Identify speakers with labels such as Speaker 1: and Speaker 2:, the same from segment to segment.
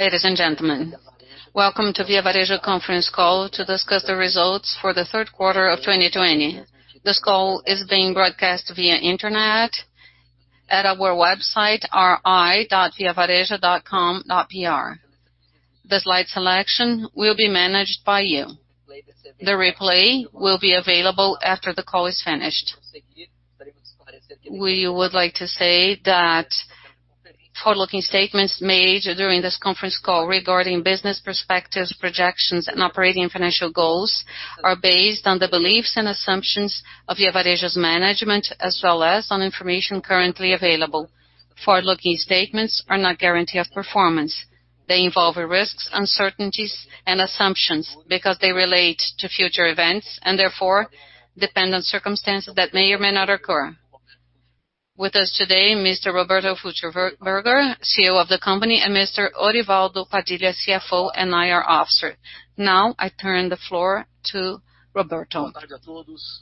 Speaker 1: Ladies and gentlemen, welcome to Via Varejo conference call to discuss the results for the third quarter of 2020. This call is being broadcast via internet at our website, ri.viavarejo.com.br. The slide selection will be managed by you. The replay will be available after the call is finished. We would like to say that forward-looking statements made during this conference call regarding business perspectives, projections, and operating and financial goals are based on the beliefs and assumptions of Via Varejo's management, as well as on information currently available. Forward-looking statements are not guarantee of performance. They involve risks, uncertainties, and assumptions because they relate to future events, and therefore depend on circumstances that may or may not occur. With us today, Mr. Roberto Fulcherberguer, CEO of the company, and Mr. Orivaldo Padilha, CFO, and IR Officer. Now I turn the floor to Roberto.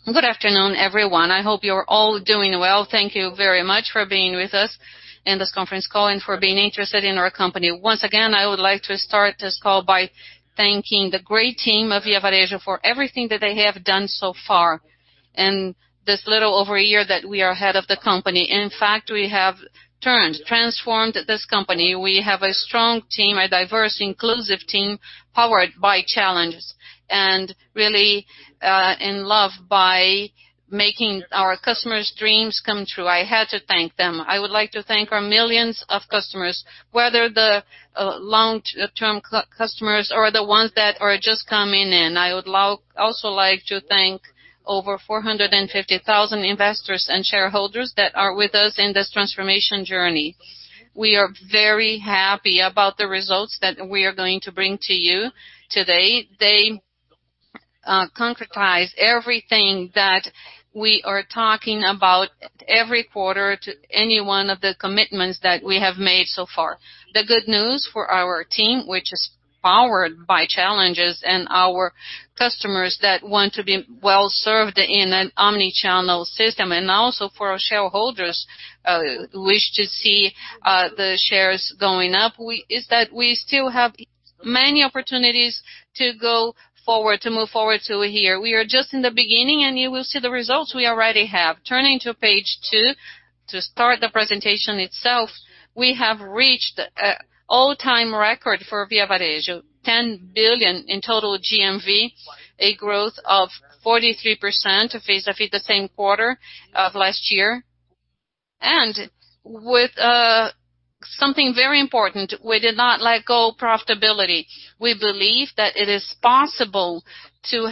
Speaker 2: Good afternoon, everyone. I hope you're all doing well. Thank you very much for being with us in this conference call and for being interested in our company. Once again, I would like to start this call by thanking the great team of Via Varejo for everything that they have done so far in this little over one year that we are ahead of the company. In fact, we have transformed this company. We have a strong team, a diverse, inclusive team, powered by challenges, really in love by making our customers' dreams come true. I had to thank them. I would like to thank our millions of customers, whether the long-term customers or the ones that are just coming in. I would also like to thank over 450,000 investors and shareholders that are with us in this transformation journey. We are very happy about the results that we are going to bring to you today. They concretize everything that we are talking about every quarter to any one of the commitments that we have made so far. The good news for our team, which is powered by challenges, and our customers that want to be well-served in an omni-channel system, and also for our shareholders who wish to see the shares going up, is that we still have many opportunities to move forward to here. We are just in the beginning. You will see the results we already have. Turning to page two to start the presentation itself. We have reached all-time record for Via Varejo, 10 billion in total GMV, a growth of 43% if we see the same quarter of last year. With something very important, we did not let go profitability. We believe that it is possible to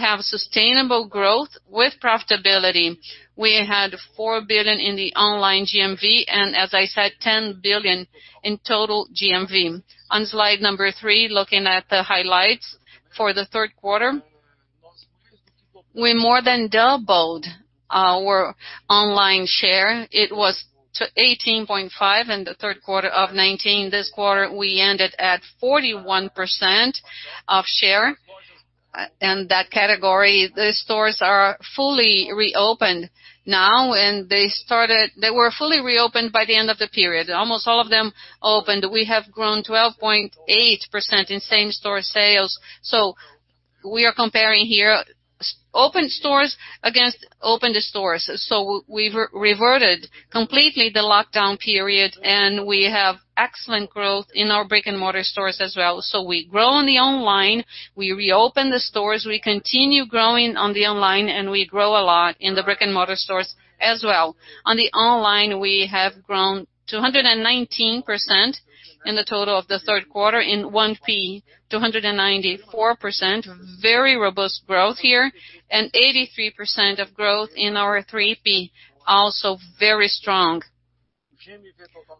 Speaker 2: have sustainable growth with profitability. We had 4 billion in the online GMV, and as I said, 10 billion in total GMV. On slide number three, looking at the highlights for the third quarter. We more than doubled our online share. It was to 18.5 in the third quarter of 2019. This quarter, we ended at 41% of share in that category. The stores are fully reopened now, and they were fully reopened by the end of the period. Almost all of them opened. We have grown 12.8% in same-store sales. We are comparing here open stores against open stores. We've reverted completely the lockdown period, and we have excellent growth in our brick-and-mortar stores as well. We grow in the online, we reopen the stores, we continue growing on the online, and we grow a lot in the brick-and-mortar stores as well. The online, we have grown 219% in the total of the third quarter in 1P, 294%, very robust growth here, and 83% of growth in our 3P, also very strong.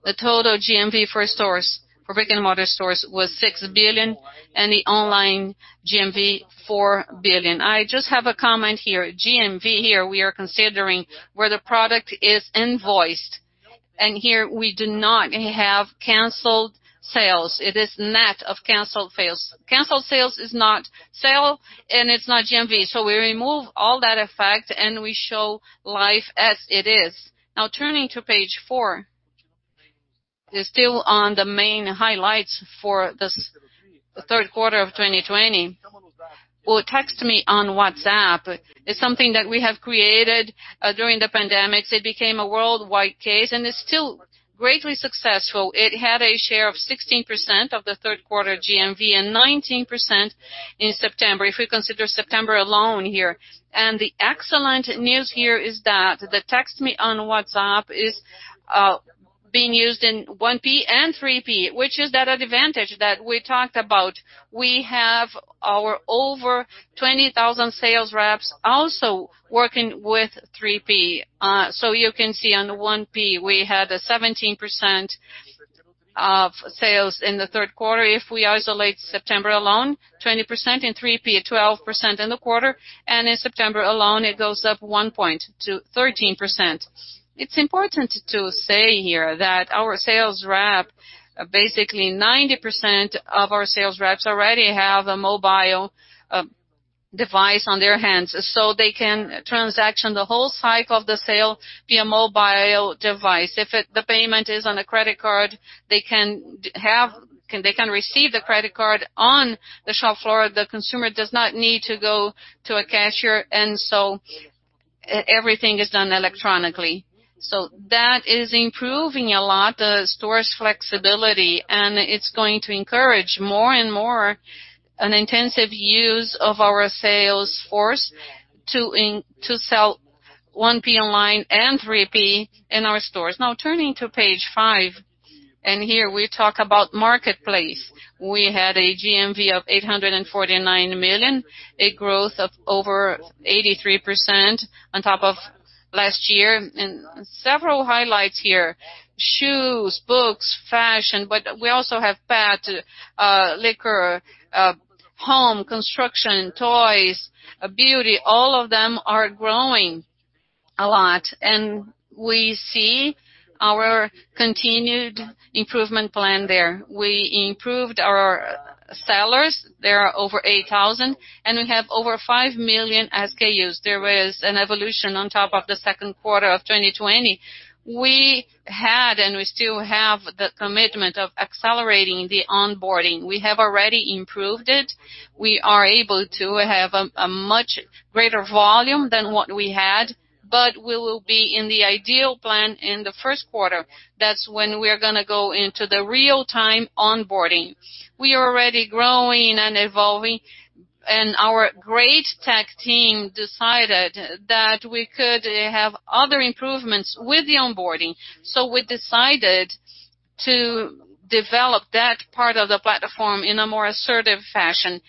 Speaker 2: The total GMV for brick-and-mortar stores was 6 billion, and the online GMV 4 billion. I just have a comment here. GMV here, we are considering where the product is invoiced. Here we do not have canceled sales. It is net of canceled sales. Canceled sales is not sale, and it's not GMV. We remove all that effect and we show life as it is. Turning to page four. Still on the main highlights for the third quarter of 2020. Text Me on WhatsApp is something that we have created during the pandemic. It became a worldwide case, and it's still greatly successful. It had a share of 16% of the third quarter GMV and 19% in September, if we consider September alone here. The excellent news here is that the Text Me on WhatsApp is being used in 1P and 3P, which is that advantage that we talked about. We have our over 20,000 sales reps also working with 3P. You can see on 1P, we had a 17% of sales in the third quarter. If we isolate September alone, 20%. In 3P, 12% in the quarter, and in September alone, it goes up one point to 13%. It's important to say here that our sales rep, basically 90% of our sales reps already have a mobile device on their hands. They can transaction the whole cycle of the sale via mobile device. If the payment is on a credit card, they can receive the credit card on the shop floor. The consumer does not need to go to a cashier, everything is done electronically. That is improving a lot, the store's flexibility, and it's going to encourage more and more an intensive use of our sales force to sell 1P online and 3P in our stores. Now turning to page five, here we talk about marketplace. We had a GMV of 849 million, a growth of over 83% on top of last year. Several highlights here. Shoes, books, fashion, but we also have pet, liquor, home, construction, toys, beauty. All of them are growing a lot. We see our continued improvement plan there. We improved our sellers. There are over 8,000, and we have over 5 million SKUs. There was an evolution on top of the second quarter of 2020. We had, and we still have, the commitment of accelerating the onboarding. We have already improved it. We are able to have a much greater volume than what we had, but we will be in the ideal plan in the first quarter. That's when we're going to go into the real-time onboarding. We are already growing and evolving, and our great tech team decided that we could have other improvements with the onboarding. We decided to develop that part of the platform in a more assertive fashion,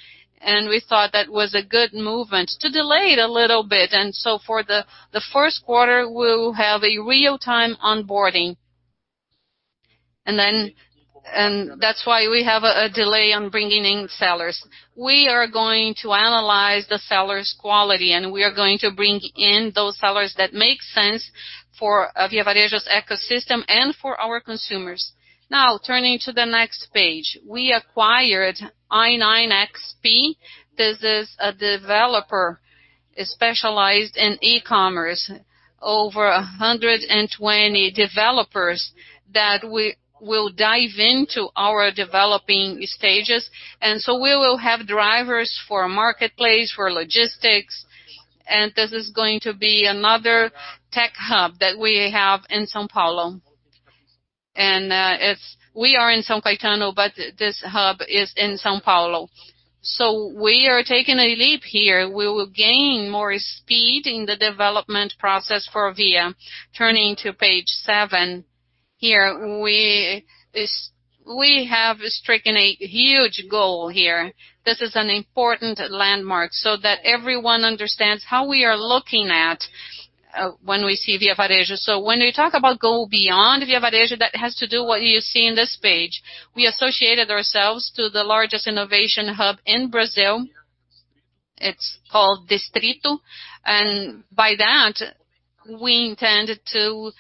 Speaker 2: and we thought that was a good movement to delay it a little bit. For the first quarter, we will have a real-time onboarding. That's why we have a delay on bringing in sellers. We are going to analyze the seller's quality, and we are going to bring in those sellers that make sense for Grupo Casas Bahia's ecosystem and for our consumers. Turning to the next page. We acquired i9XP. This is a developer specialized in e-commerce. Over 120 developers that will dive into our developing stages. We will have drivers for marketplace, for logistics, and this is going to be another tech hub that we have in São Paulo. We are in São Caetano, but this hub is in São Paulo. We are taking a leap here. We will gain more speed in the development process for Grupo Casas Bahia. Turning to page seven. We have stricken a huge goal here. This is an important landmark so that everyone understands how we are looking at when we see Grupo Casas Bahia. When we talk about go beyond Via Varejo, that has to do what you see in this page. We associated ourselves to the largest innovation hub in Brazil. It's called Distrito, by that, we intend to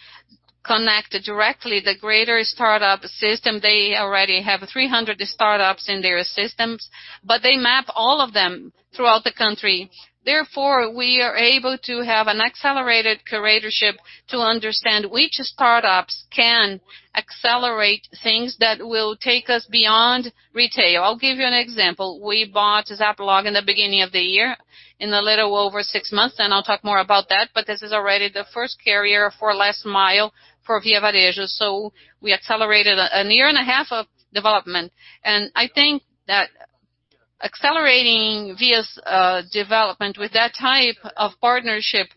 Speaker 2: connect directly the greater startup system. They already have 300 startups in their systems, they map all of them throughout the country. Therefore, we are able to have an accelerated curatorship to understand which startups can accelerate things that will take us beyond retail. I'll give you an example. We bought ASAP Log in the beginning of the year, in a little over six months, I'll talk more about that, this is already the first carrier for last mile for Via Varejo. We accelerated a year and a half of development. I think that accelerating Via's development with that type of partnership,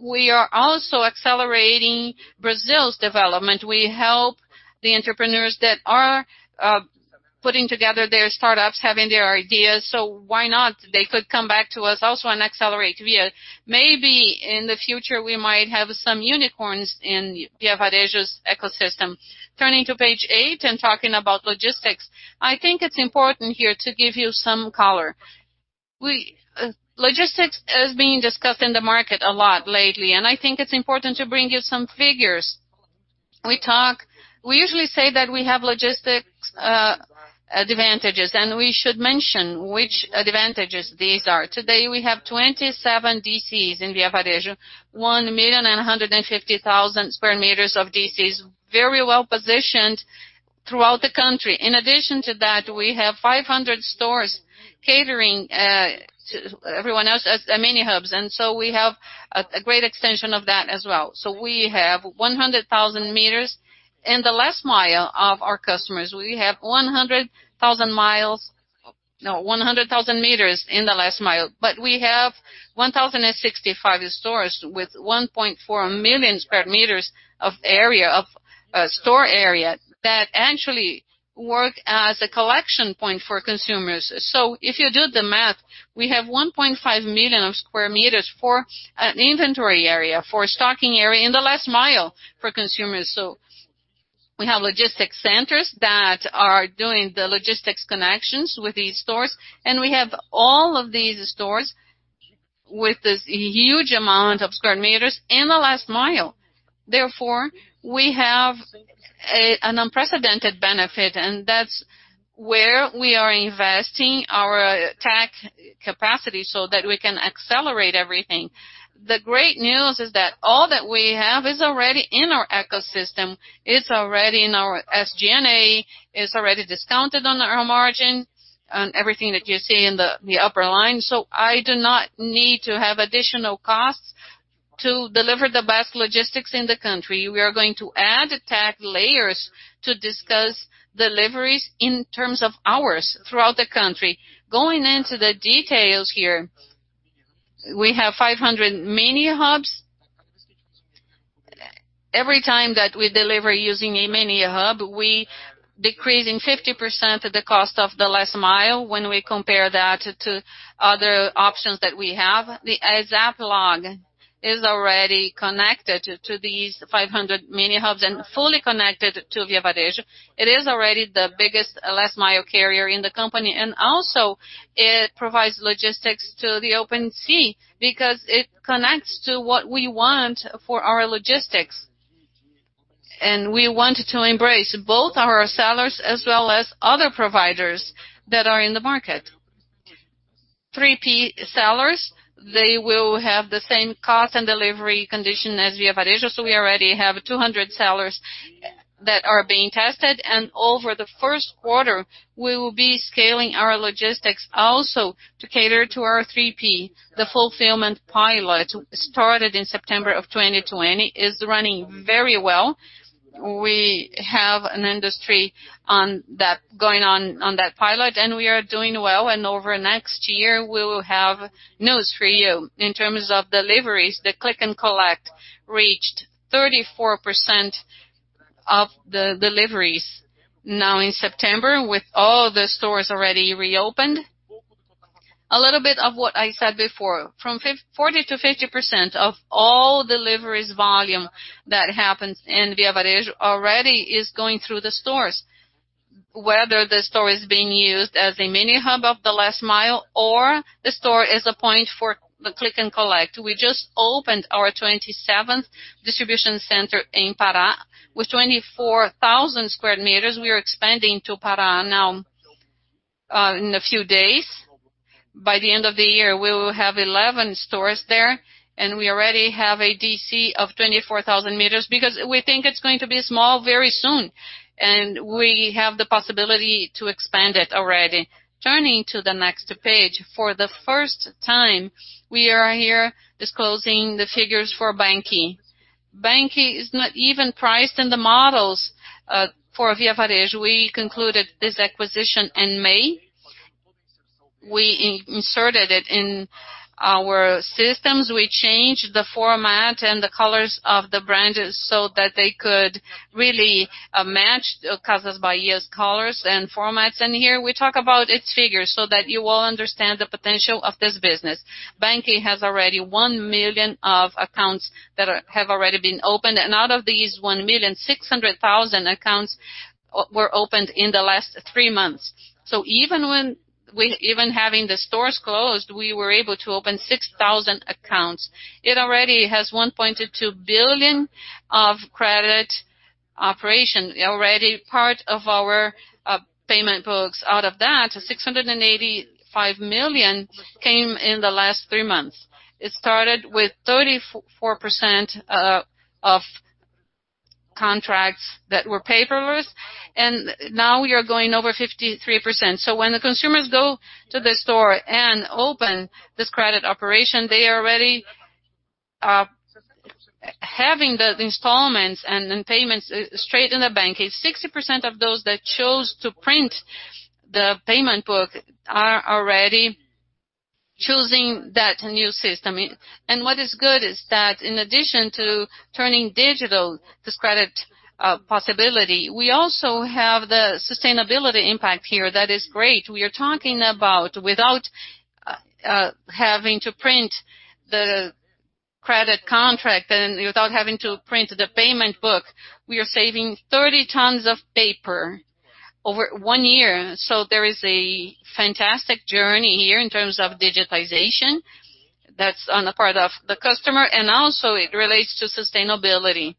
Speaker 2: we are also accelerating Brazil's development. We help the entrepreneurs that are putting together their startups, having their ideas. Why not? They could come back to us also and accelerate Via. Maybe in the future, we might have some unicorns in Via Varejo's ecosystem. Turning to page eight and talking about logistics. I think it's important here to give you some color. Logistics is being discussed in the market a lot lately, and I think it's important to bring you some figures. We usually say that we have logistics advantages, and we should mention which advantages these are. Today, we have 27 DCs in Via Varejo, 1,950,000 sq m of DCs, very well-positioned throughout the country. In addition to that, we have 500 stores catering to everyone else as mini hubs, and so we have a great extension of that as well. We have 100,000 meters in the last mile of our customers. We have 100,000 m in the last mile, but we have 1,065 stores with 1.4 million square meters of store area that actually work as a collection point for consumers. If you do the math, we have 1.5 million of square meters for an inventory area, for stocking area in the last mile for consumers. We have logistics centers that are doing the logistics connections with these stores, and we have all of these stores with this huge amount of square meters and the last mile. Therefore, we have an unprecedented benefit, and that's where we are investing our tech capacity so that we can accelerate everything. The great news is that all that we have is already in our ecosystem. It's already in our SG&A, it's already discounted on our margin, on everything that you see in the upper line. I do not need to have additional costs to deliver the best logistics in the country. We are going to add tech layers to discuss deliveries in terms of hours throughout the country. Going into the details here, we have 500 mini hubs. Every time that we deliver using a mini hub, we decreasing 50% of the cost of the last mile when we compare that to other options that we have. The ASAP Log is already connected to these 500 mini hubs and fully connected to Via Varejo. It is already the biggest last mile carrier in the company, and also it provides logistics to the OpenSea because it connects to what we want for our logistics. We want to embrace both our sellers as well as other providers that are in the market. 3P sellers, they will have the same cost and delivery condition as Via Varejo. We already have 200 sellers that are being tested. Over the first quarter, we will be scaling our logistics also to cater to our 3P. The fulfillment pilot started in September of 2020, is running very well. We have an industry going on that pilot, and we are doing well, and over next year, we will have news for you. In terms of deliveries, the click and collect reached 34% of the deliveries now in September, with all the stores already reopened. A little bit of what I said before. From 40%-50% of all deliveries volume that happens in Via Varejo already is going through the stores. Whether the store is being used as a mini hub of the last mile or the store is a point for the click and collect. We just opened our 27th distribution center in Pará. With 24,000 sq m, we are expanding to Pará now in a few days. By the end of the year, we will have 11 stores there. We already have a DC of 24,000 m because we think it's going to be small very soon. We have the possibility to expand it already. Turning to the next page. For the first time, we are here disclosing the figures for BanQi. BanQi is not even priced in the models for Via Varejo. We concluded this acquisition in May. We inserted it in our systems. We changed the format and the colors of the brand so that they could really match Casas Bahia's colors and formats. Here we talk about its figures so that you will understand the potential of this business. BanQi has already 1 million of accounts that have already been opened. Out of these 1 million, 600,000 accounts were opened in the last three months. Even having the stores closed, we were able to open 6,000 accounts. It already has 1.2 billion of credit operation already part of our payment books. Out of that, 685 million came in the last three months. It started with 34% of contracts that were paperless, now we are going over 53%. When the consumers go to the store and open this credit operation, they are already having the installments and payments straight in the BanQi. 60% of those that chose to print the payment book are already choosing that new system. What is good is that in addition to turning digital this credit possibility, we also have the sustainability impact here that is great. We are talking about without having to print the credit contract and without having to print the payment book, we are saving 30 tons of paper over one year. There is a fantastic journey here in terms of digitization that's on the part of the customer, and also it relates to sustainability.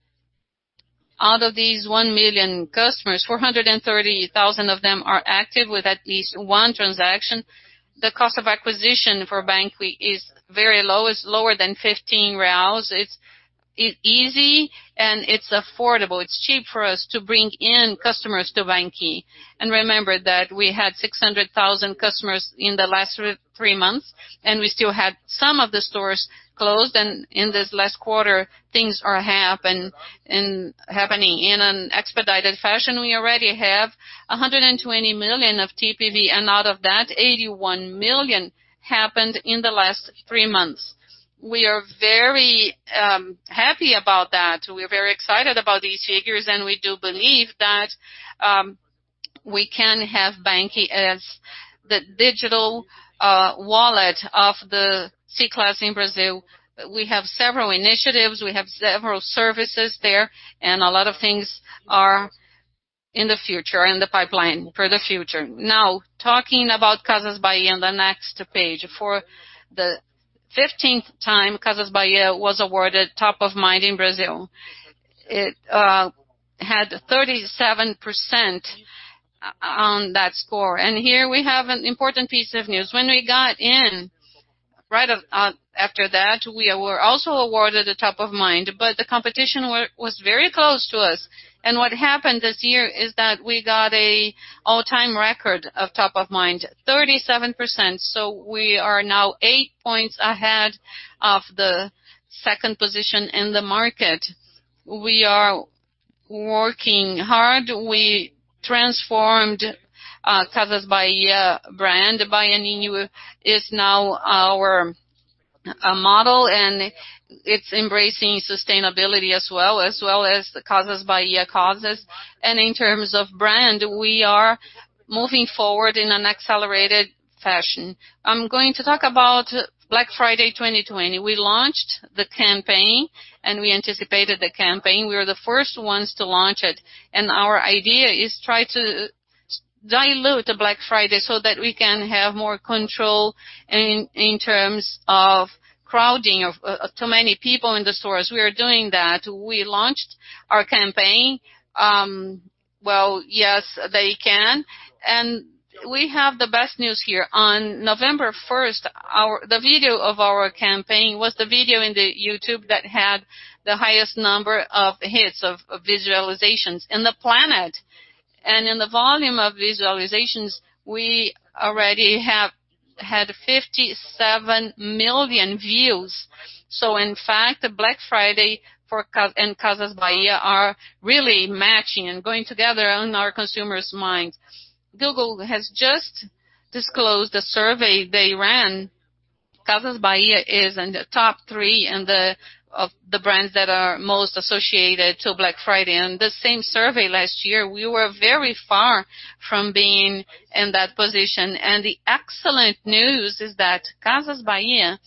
Speaker 2: Out of these 1 million customers, 430,000 of them are active with at least one transaction. The cost of acquisition for BanQi is very low. It's lower than 15 reais. It's easy and it's affordable. It's cheap for us to bring in customers to BanQi. Remember that we had 600,000 customers in the last three months, and we still had some of the stores closed. In this last quarter, things are happening in an expedited fashion. We already have 120 million of TPV, and out of that, 81 million happened in the last three months. We are very happy about that. We are very excited about these figures, we do believe that we can have BanQi as the digital wallet of the C class in Brazil. We have several initiatives. We have several services there, a lot of things are in the pipeline for the future. Talking about Casas Bahia in the next page. For the 15th time, Casas Bahia was awarded top of mind in Brazil. It had 37% on that score. Here we have an important piece of news. When we got in, right after that, we were also awarded the top of mind, the competition was very close to us. What happened this year is that we got an all-time record of top of mind, 37%. We are now eight points ahead of the second position in the market. We are working hard. We transformed Casas Bahia brand, is now our model, and it's embracing sustainability as well, as well as the Casas Bahia causes. In terms of brand, we are moving forward in an accelerated fashion. I'm going to talk about Black Friday 2020. We launched the campaign, and we anticipated the campaign. We were the first ones to launch it, and our idea is try to dilute the Black Friday so that we can have more control in terms of crowding, of too many people in the stores. We are doing that. We launched our campaign, Well, Yes, They Can. We have the best news here. On November 1st, the video of our campaign was the video in the YouTube that had the highest number of hits, of visualizations in the planet. In the volume of visualizations, we already have had 57 million views. In fact, the Black Friday and Casas Bahia are really matching and going together on our consumers' minds. Google has just disclosed a survey they ran. Casas Bahia is in the top three of the brands that are most associated to Black Friday. In the same survey last year, we were very far from being in that position. The excellent news is that Casas Bahia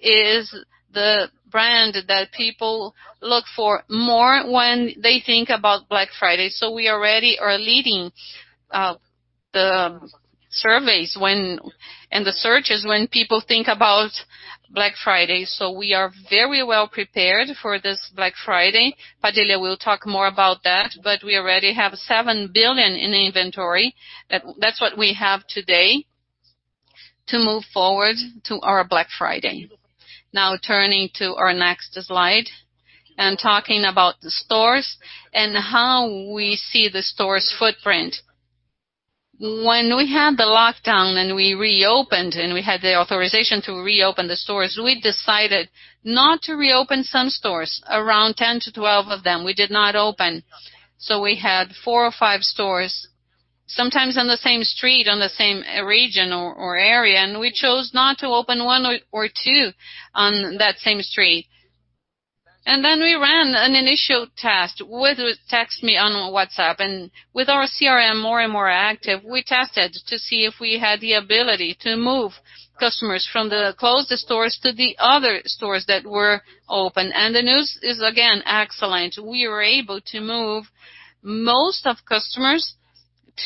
Speaker 2: is the brand that people look for more when they think about Black Friday. We already are leading the surveys and the searches when people think about Black Friday. We are very well prepared for this Black Friday. Padilha will talk more about that, but we already have 7 billion in inventory. That's what we have today to move forward to our Black Friday. Turning to our next slide and talking about the stores and how we see the store's footprint. When we had the lockdown and we reopened, we had the authorization to reopen the stores, we decided not to reopen some stores. Around 10 to 12 of them, we did not open. We had four or five stores, sometimes on the same street, on the same region or area, we chose not to open one or two on that same street. We ran an initial test with Text Me on WhatsApp and with our CRM more and more active. We tested to see if we had the ability to move customers from the closed stores to the other stores that were open. The news is, again, excellent. We were able to move most of customers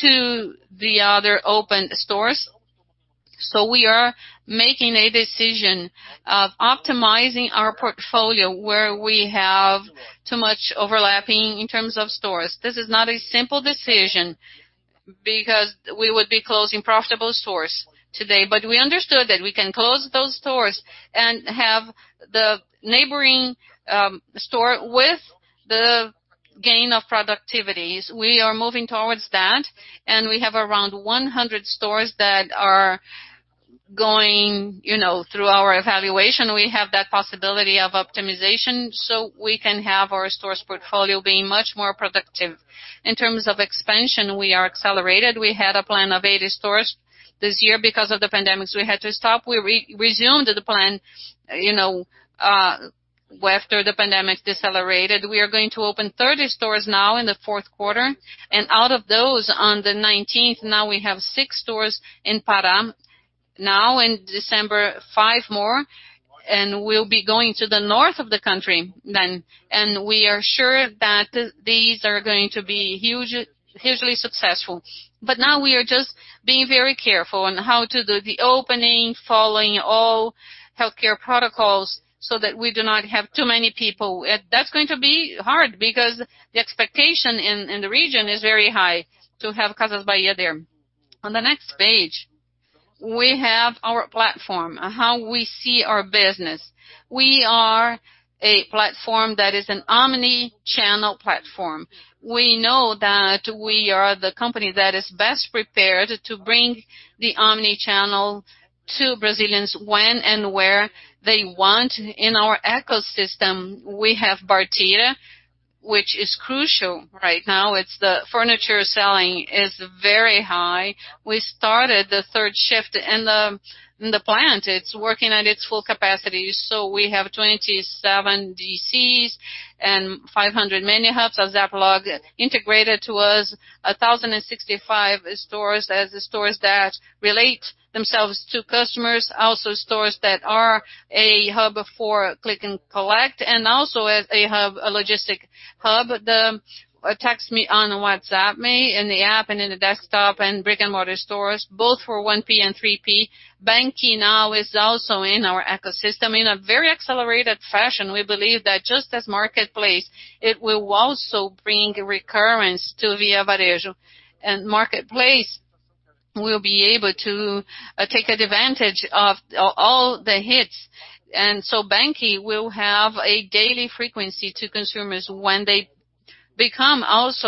Speaker 2: to the other open stores. We are making a decision of optimizing our portfolio where we have too much overlapping in terms of stores. This is not a simple decision because we would be closing profitable stores today. We understood that we can close those stores and have the neighboring store with the gain of productivities. We are moving towards that, and we have around 100 stores that are going through our evaluation. We have that possibility of optimization, so we can have our stores portfolio being much more productive. In terms of expansion, we are accelerated. We had a plan of 80 stores this year. Because of the pandemic, we had to stop. We resumed the plan after the pandemic decelerated. We are going to open 30 stores now in the fourth quarter. Out of those on the 19th, now we have six stores in Pará. In December, five more, we'll be going to the north of the country then. We are sure that these are going to be hugely successful. Now we are just being very careful on how to do the opening, following all healthcare protocols so that we do not have too many people. That's going to be hard because the expectation in the region is very high to have Casas Bahia there. On the next page, we have our platform and how we see our business. We are a platform that is an omni-channel platform. We know that we are the company that is best prepared to bring the omni-channel to Brazilians when and where they want. In our ecosystem, we have Bartira, which is crucial right now. It's the furniture selling is very high. We started the third shift in the plant. It's working at its full capacity. We have 27 DCs and 500 mini hubs of ASAP Log integrated to us, 1,065 stores as the stores that relate themselves to customers, also stores that are a hub for click and collect, and also a hub, a logistic hub, the Text Me on WhatsApp me in the app and in the desktop and brick-and-mortar stores, both for 1P and 3P. BanQi now is also in our ecosystem in a very accelerated fashion. We believe that just as Marketplace, it will also bring recurrence to Via Varejo. Marketplace will be able to take advantage of all the hits. BanQi will have a daily frequency to consumers when it becomes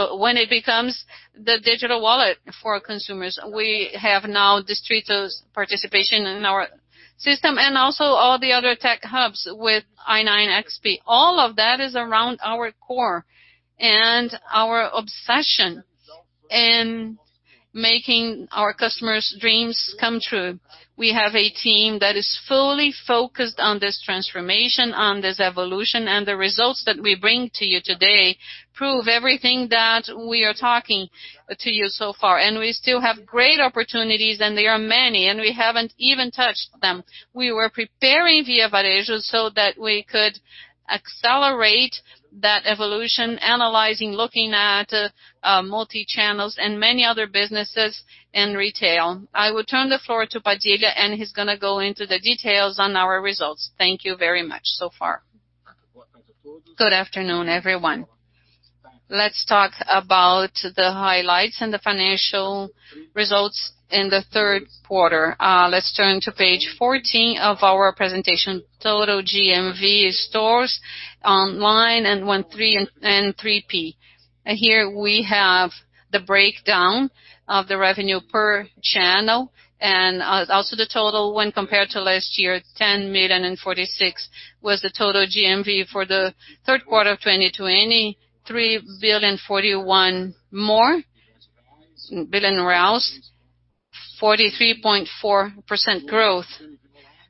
Speaker 2: the digital wallet for consumers. We have now Distrito's participation in our system and also all the other tech hubs with I9XP. All of that is around our core and our obsession in making our customers' dreams come true. We have a team that is fully focused on this transformation, on this evolution, the results that we bring to you today prove everything that we are talking to you so far. We still have great opportunities, and there are many, and we haven't even touched them. We were preparing Via Varejo so that we could accelerate that evolution, analyzing, looking at multi-channels and many other businesses in retail. I will turn the floor to Padilha, and he's going to go into the details on our results. Thank you very much so far.
Speaker 3: Good afternoon, everyone. Let's talk about the highlights and the financial results in the third quarter. Let's turn to page 14 of our presentation. Total GMV stores online and 1P and 3P. Here we have the breakdown of the revenue per channel and also the total when compared to last year, 10,046,000 was the total GMV for the third quarter of 2020, 3,041 billion more, 43.4% growth.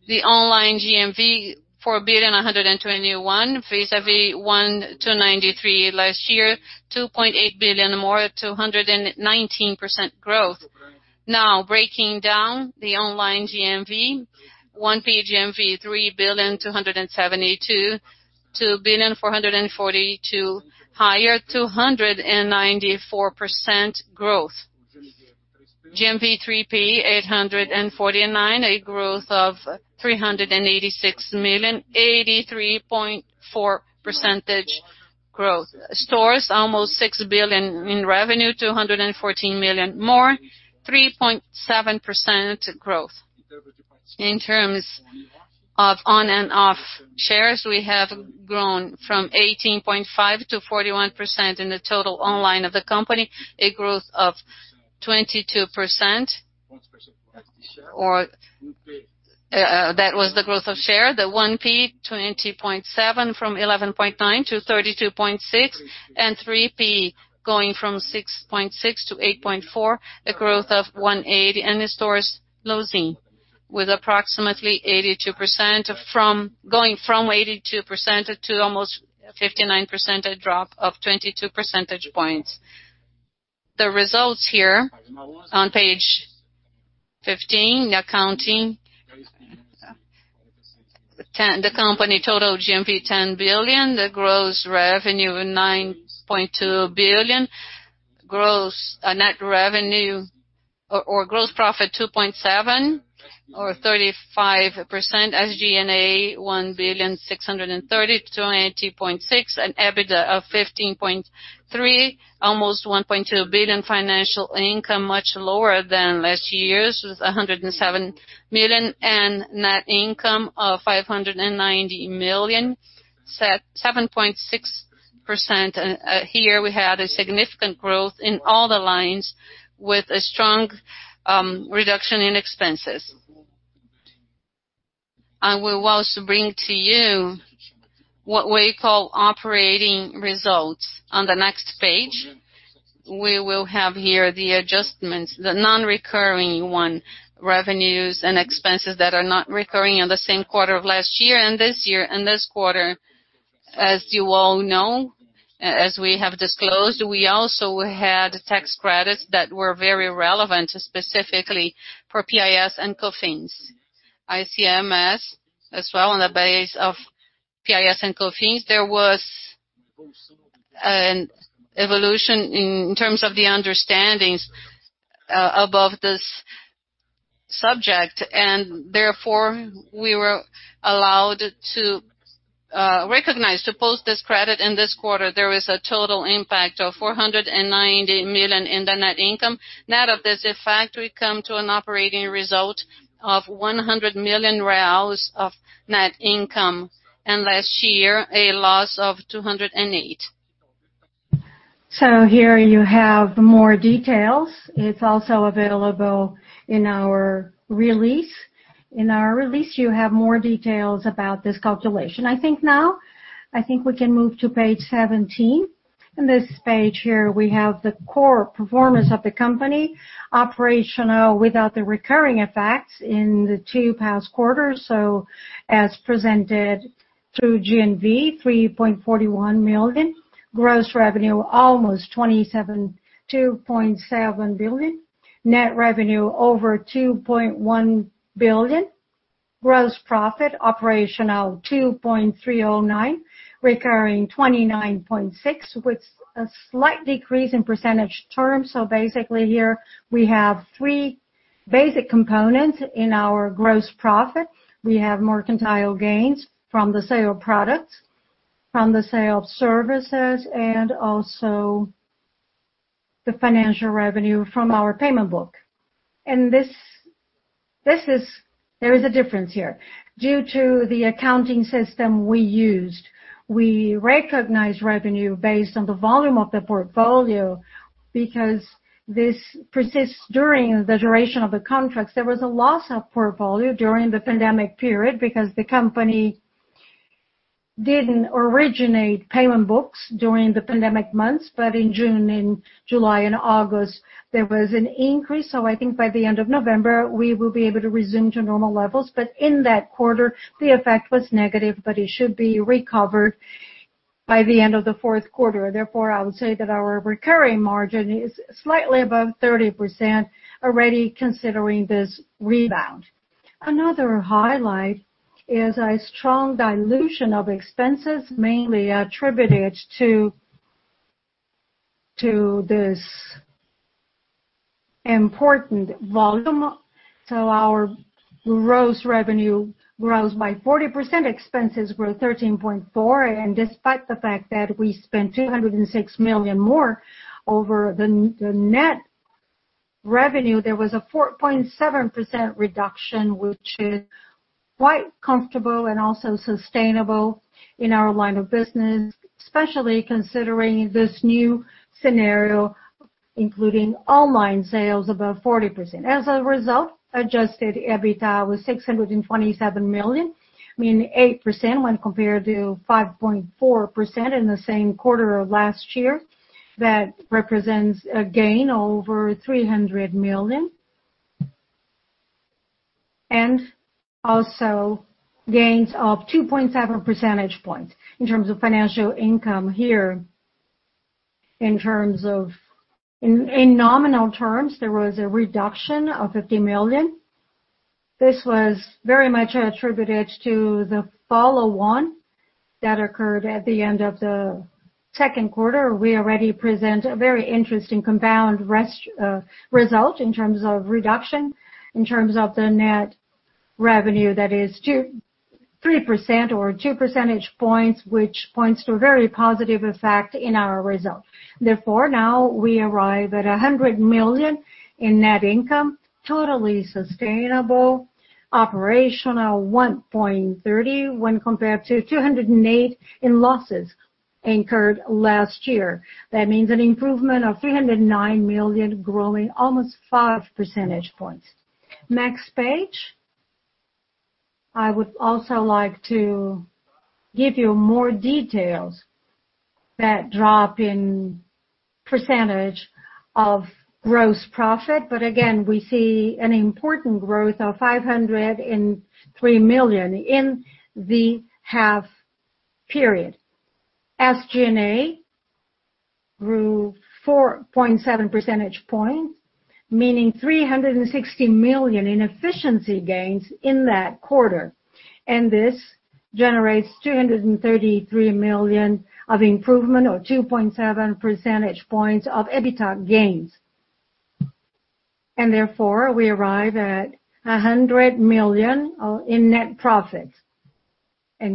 Speaker 3: The online GMV, 4,121, vis-a-vis 293 last year, 2.8 billion more, 219% growth. Breaking down the online GMV, 1P GMV BRL 3,272 billion, BRL 2,442 billion higher, 294% growth. GMV 3P, 849, a growth of 386 million, 83.4% growth. Stores, almost 6 billion in revenue, 214 million more, 3.7% growth. In terms of on and off shares, we have grown from 18.5% to 41% in the total online of the company, a growth of 22%. That was the growth of share. The 1P, 20.7% from 11.9% to 32.6%. 3P going from 6.6% to 8.4%, a growth of 180%. The stores losing with approximately 82%, going from 82% to almost 59%, a drop of 22 percentage points. The results here on page 15, the accounting. The company total GMV 10 billion, the gross revenue 9.2 billion. Net revenue or gross profit, 2.7 billion or 35%. SG&A, 1 billion, 630, 280.6, an EBITDA of 15.3%, almost 1.2 billion financial income, much lower than last year's. It was 107 million. Net income of 590 million, 7.6%. Here we had a significant growth in all the lines with a strong reduction in expenses. I will also bring to you what we call operating results on the next page. We will have here the adjustments, the non-recurring one, revenues and expenses that are not recurring in the same quarter of last year and this quarter. As you all know, as we have disclosed, we also had tax credits that were very relevant, specifically for PIS and COFINS. ICMS as well on the base of PIS and COFINS. There was an evolution in terms of the understandings above this subject, therefore, we were allowed to recognize, to post this credit in this quarter. There is a total impact of 490 million in the net income. Net of this effect, we come to an operating result of 100 million reais of net income, last year, a loss of 208. Here you have more details. It's also available in our release. In our release, you have more details about this calculation. I think now we can move to page 17. In this page here, we have the core performance of the company operational without the recurring effects in the two past quarters. As presented through GMV, 3.41 million. Gross revenue, almost 2.7 billion. Net revenue, over 2.1 billion. Gross profit operational 2.309 billion, recurring 29.6% with a slight decrease in percentage terms. Basically here we have three basic components in our gross profit. We have mercantile gains from the sale of products, from the sale of services, and also the financial revenue from our payment book. There is a difference here. Due to the accounting system we used, we recognized revenue based on the volume of the portfolio because this persists during the duration of the contracts. There was a loss of portfolio during the pandemic period because the company didn't originate payment books during the pandemic months. In June, in July, and August, there was an increase. I think by the end of November we will be able to resume to normal levels. In that quarter, the effect was negative, but it should be recovered by the end of the fourth quarter. Therefore, I would say that our recurring margin is slightly above 30% already considering this rebound. Another highlight is a strong dilution of expenses, mainly attributed to this important volume. Our gross revenue grows by 40%, expenses grow 13.4%, and despite the fact that we spent 206 million more over the net revenue, there was a 4.7% reduction, which is quite comfortable and also sustainable in our line of business, especially considering this new scenario, including online sales above 40%. As a result, adjusted EBITDA was 627 million, meaning 8% when compared to 5.4% in the same quarter of last year. That represents a gain over 300 million. Also gains of 2.7 percentage points. In terms of financial income here, in nominal terms, there was a reduction of 50 million. This was very much attributed to the follow-on that occurred at the end of the second quarter. We already present a very interesting compound result in terms of reduction, in terms of the net revenue that is 3% or 2 percentage points, which points to a very positive effect in our result. Now we arrive at 100 million in net income, totally sustainable, operational 1.30 when compared to 208 million in losses incurred last year. That means an improvement of 309 million, growing almost five percentage points. Next page. I would also like to give you more details. That drop in percentage of gross profit. Again, we see an important growth of 503 million in the half period. SG&A grew 4.7 percentage points, meaning 360 million in efficiency gains in that quarter. This generates 233 million of improvement or 2.7 percentage points of EBITDA gains. Therefore, we arrive at 100 million in net profit.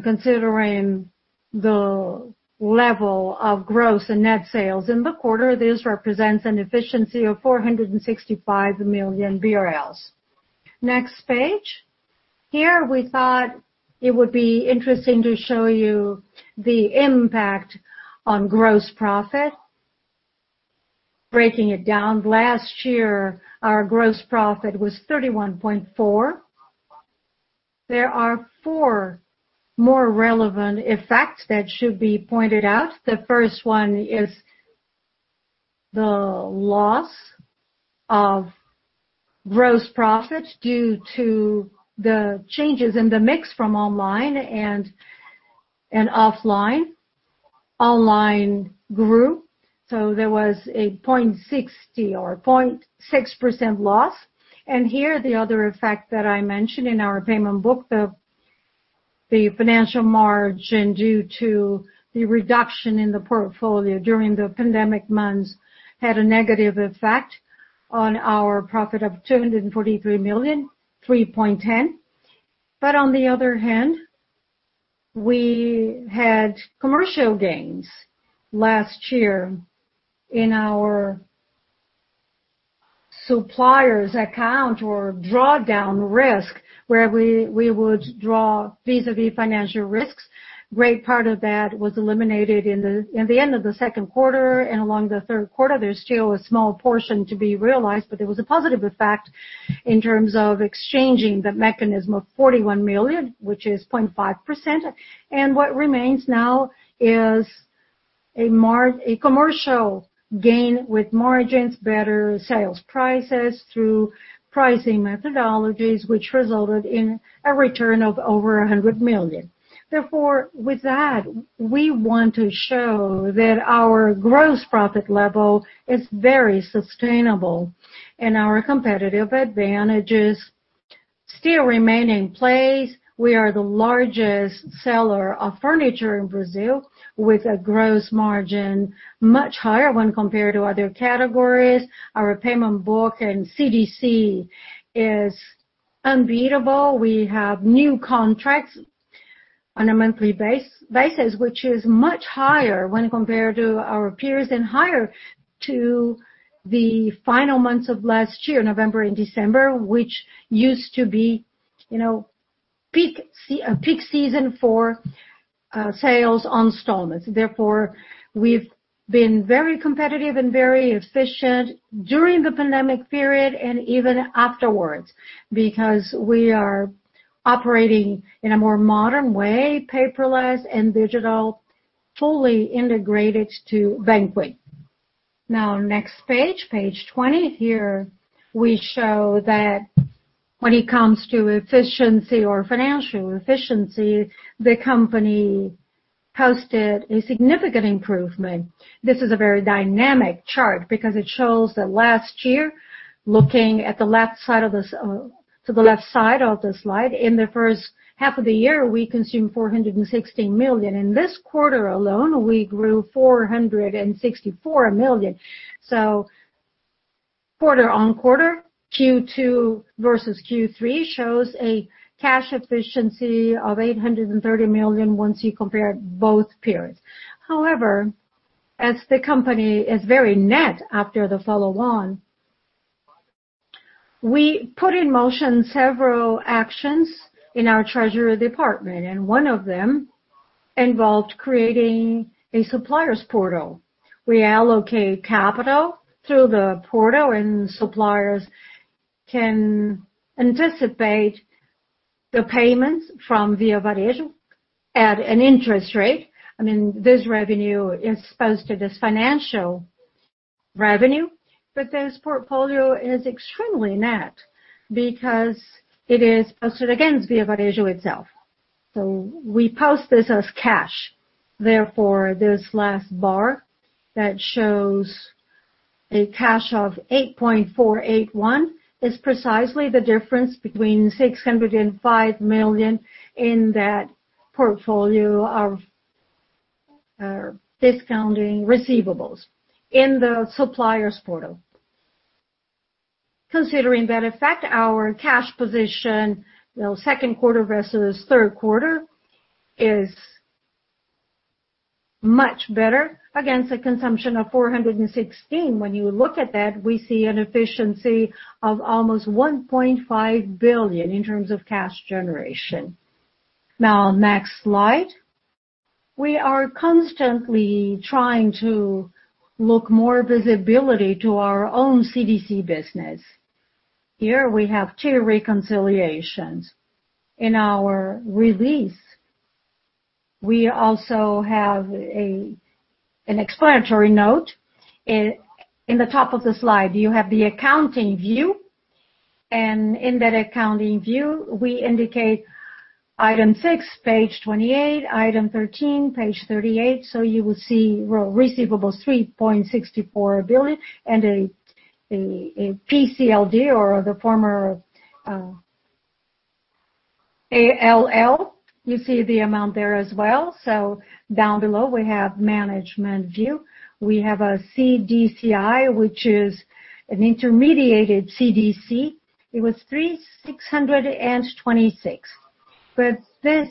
Speaker 3: Considering the level of gross and net sales in the quarter, this represents an efficiency of 465 million BRL. Next page. Here we thought it would be interesting to show you the impact on gross profit, breaking it down. Last year, our gross profit was 31.4%. There are four more relevant effects that should be pointed out. The first one is the loss of gross profits due to the changes in the mix from online and offline. Online grew, so there was a 0.6% loss. Here, the other effect that I mentioned in our payment book, the financial margin due to the reduction in the portfolio during the pandemic months had a negative effect on our profit of 243 million, 3.10. On the other hand, we had commercial gains last year in our suppliers account or drawdown risk, where we would draw vis-à-vis financial risks. Great part of that was eliminated in the end of the second quarter and along the third quarter. There's still a small portion to be realized, but there was a positive effect in terms of exchanging the mechanism of 41 million, which is 0.5%. What remains now is a commercial gain with margins, better sales prices through pricing methodologies, which resulted in a return of over 100 million. With that, we want to show that our gross profit level is very sustainable and our competitive advantages still remain in place. We are the largest seller of furniture in Brazil, with a gross margin much higher when compared to other categories. Our payment book and CDC is unbeatable. We have new contracts on a monthly basis, which is much higher when compared to our peers, and higher to the final months of last year, November and December, which used to be a peak season for sales installments. We've been very competitive and very efficient during the pandemic period and even afterwards, because we are operating in a more modern way, paperless and digital, fully integrated to BanQi. Next page 20 here, we show that when it comes to efficiency or financial efficiency, the company posted a significant improvement. This is a very dynamic chart because it shows that last year, looking to the left side of the slide, in the first half of the year, we consumed 416 million. In this quarter alone, we grew 464 million. Quarter-on-quarter, Q2 versus Q3 shows a cash efficiency of 830 million once you compare both periods. However, as the company is very net after the follow-on, we put in motion several actions in our treasury department, and one of them involved creating a suppliers portal. We allocate capital through the portal and suppliers can anticipate the payments from Via Varejo at an interest rate. This revenue is posted as financial revenue, this portfolio is extremely net because it is posted against Via Varejo itself. We post this as cash. Therefore, this last bar that shows a cash of 8.481 is precisely the difference between 605 million in that portfolio of discounting receivables in the suppliers portal. Considering that effect, our cash position, second quarter versus third quarter, is much better against the consumption of 416. When you look at that, we see an efficiency of almost 1.5 billion in terms of cash generation. Next slide. We are constantly trying to look more visibility to our own CDC business. Here we have two reconciliations. In our release, we also have an explanatory note. In the top of the slide, you have the accounting view, and in that accounting view, we indicate item six, page 28, item 13, page 38. You will see receivables, 3.64 billion and a PCLD or the former ALL, you see the amount there as well. Down below we have management view. We have a CDCI, which is an intermediated CDC. It was 3,626. This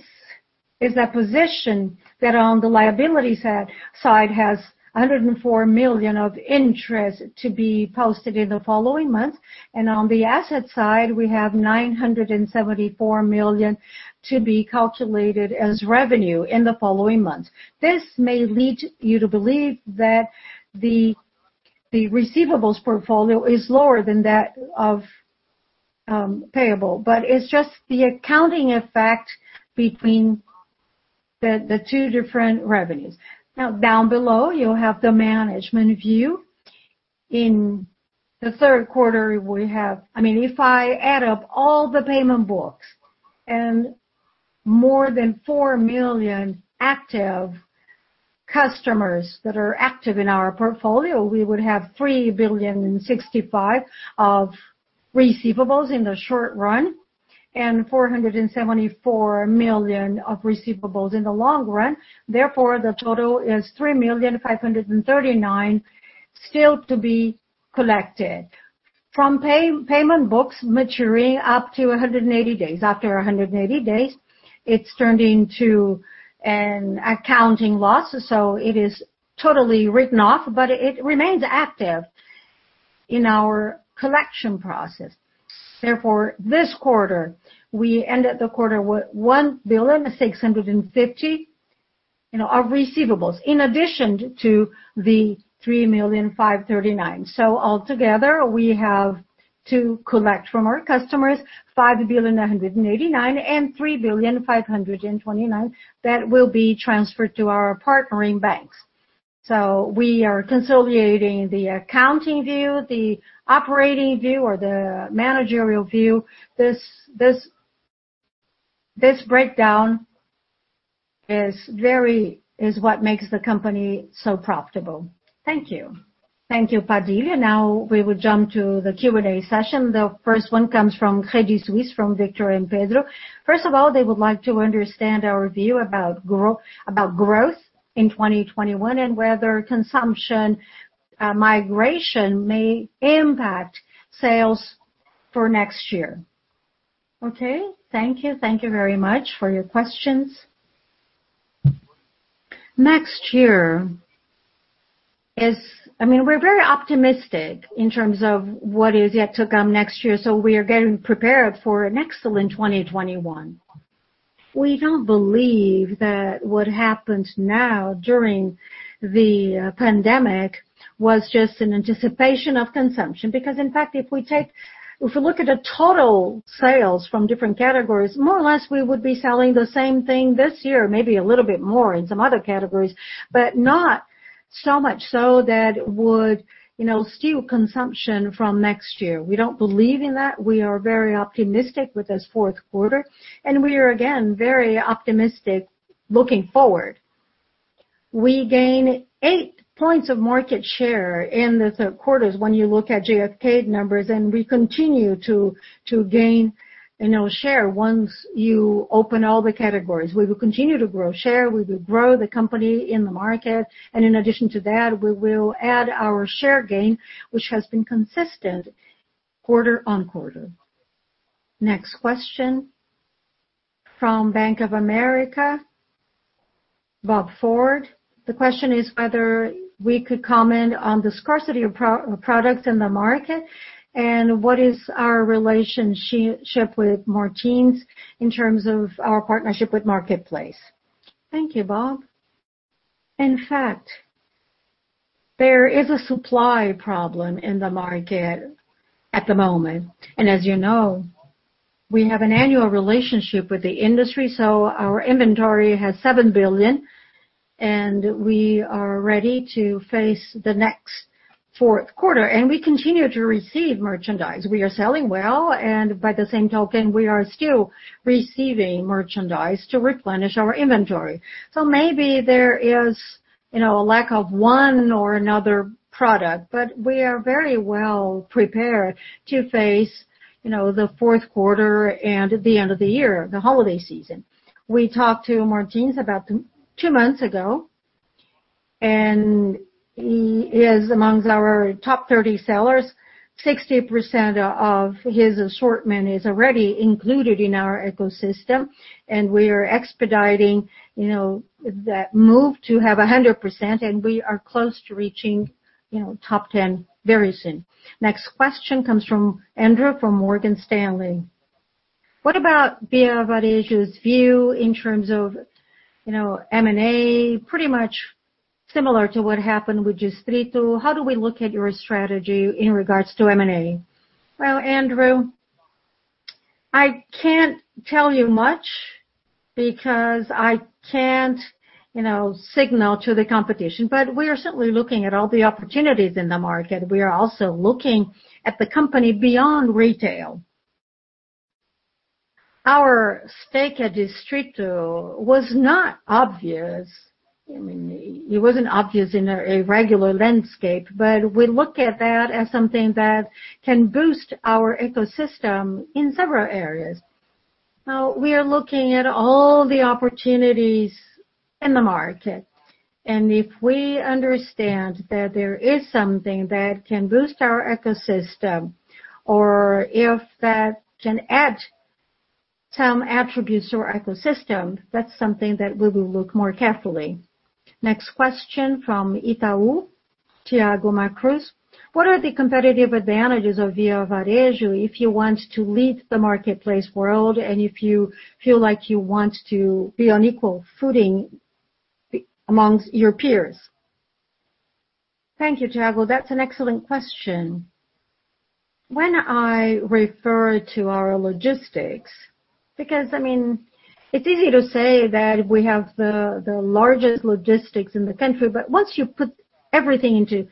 Speaker 3: is a position that on the liabilities side has 104 million of interest to be posted in the following month. On the asset side, we have 974 million to be calculated as revenue in the following month. This may lead you to believe that the receivables portfolio is lower than that of payable, but it's just the accounting effect between the two different revenues. Down below, you have the management view. In the third quarter, If I add up all the payment books and more than 4 million active customers that are active in our portfolio, we would have 3,000,000,065 of receivables in the short run and 474 million of receivables in the long run. The total is 3,539 still to be collected. From payment books maturing up to 180 days. After 180 days, it is turned into an accounting loss, so it is totally written off, but it remains active in our collection process. This quarter, we ended the quarter with 1.65 billion of receivables, in addition to 3,539,000. Altogether, we have to collect from our customers 5,989,000 and 3,529,000 that will be transferred to our partnering banks. We are consolidating the accounting view, the operating view, or the managerial view. This breakdown is what makes the company so profitable. Thank you.
Speaker 4: Thank you, Padilha. Now we will jump to the Q&A session. The first one comes from Credit Suisse, from Victor and Pedro. First of all, they would like to understand our view about growth in 2021, and whether consumption migration may impact sales for next year.
Speaker 2: Thank you. Thank you very much for your questions. Next year, we're very optimistic in terms of what is yet to come next year. We are getting prepared for an excellent 2021. We don't believe that what happens now during the pandemic was just an anticipation of consumption. In fact, if we look at the total sales from different categories, more or less, we would be selling the same thing this year, maybe a little bit more in some other categories, but not so much so that would steal consumption from next year. We don't believe in that. We are very optimistic with this fourth quarter, and we are, again, very optimistic looking forward. We gained eight points of market share in the third quarter when you look at GfK numbers, and we continue to gain share once you open all the categories. We will continue to grow share. We will grow the company in the market. In addition to that, we will add our share gain, which has been consistent quarter-on-quarter.
Speaker 4: Next question from Bank of America, Bob Ford. The question is whether we could comment on the scarcity of products in the market, and what is our relationship with Martins in terms of our partnership with Marketplace.
Speaker 2: Thank you, Bob. In fact, there is a supply problem in the market at the moment. As you know, we have an annual relationship with the industry, so our inventory has 7 billion. We are ready to face the next fourth quarter. We continue to receive merchandise. We are selling well. By the same token, we are still receiving merchandise to replenish our inventory. Maybe there is a lack of one or another product, but we are very well prepared to face the fourth quarter and the end of the year, the holiday season. We talked to Martins about two months ago, and he is amongst our top 30 sellers. 60% of his assortment is already included in our ecosystem, and we are expediting that move to have 100%, and we are close to reaching top 10 very soon.
Speaker 1: Next question comes from Andrew from Morgan Stanley. What about Via Varejo's view in terms of M&A, pretty much similar to what happened with Distrito. How do we look at your strategy in regards to M&A?
Speaker 2: Andrew, I can't tell you much because I can't signal to the competition. We are certainly looking at all the opportunities in the market. We are also looking at the company beyond retail. Our stake at Distrito was not obvious. It wasn't obvious in a regular landscape, but we look at that as something that can boost our ecosystem in several areas. Now, we are looking at all the opportunities in the market, and if we understand that there is something that can boost our ecosystem or if that can add some attributes to our ecosystem, that's something that we will look more carefully.
Speaker 1: Next question from Itaú, Thiago Cruz. What are the competitive advantages of Via Varejo if you want to lead the marketplace world and if you feel like you want to be on equal footing amongst your peers?
Speaker 2: Thank you, Thiago. That's an excellent question. When I refer to our logistics, because it's easy to say that we have the largest logistics in the country. Once you put everything into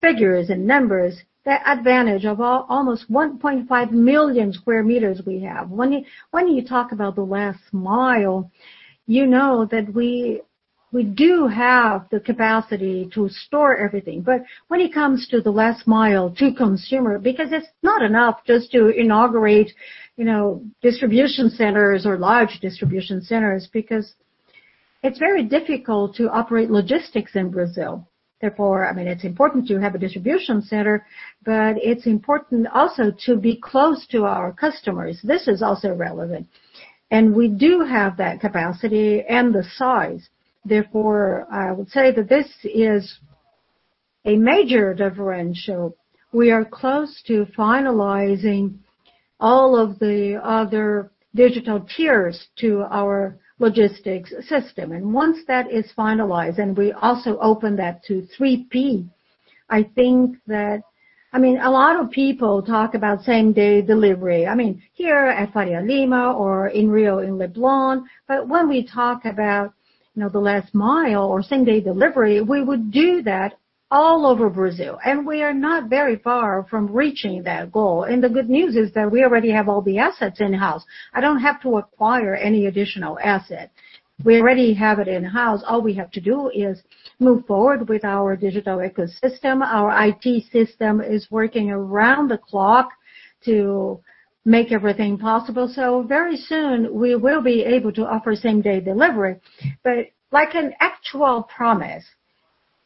Speaker 2: figures and numbers, the advantage of almost 1.5 million square meters we have. When you talk about the last mile, you know that we do have the capacity to store everything. When it comes to the last mile to consumer, because it's not enough just to inaugurate distribution centers or large distribution centers, because it's very difficult to operate logistics in Brazil. Therefore, it's important to have a distribution center, but it's important also to be close to our customers. This is also relevant, and we do have that capacity and the size. Therefore, I would say that this is a major differential. We are close to finalizing all of the other digital tiers to our logistics system. Once that is finalized, and we also open that to 3P. I think that a lot of people talk about same-day delivery. Here at Faria Lima or in Rio in Leblon. When we talk about the last mile or same-day delivery, we would do that all over Brazil, and we are not very far from reaching that goal. The good news is that we already have all the assets in-house. I don't have to acquire any additional asset. We already have it in-house. All we have to do is move forward with our digital ecosystem. Our IT system is working around the clock to make everything possible. Very soon we will be able to offer same-day delivery, but like an actual promise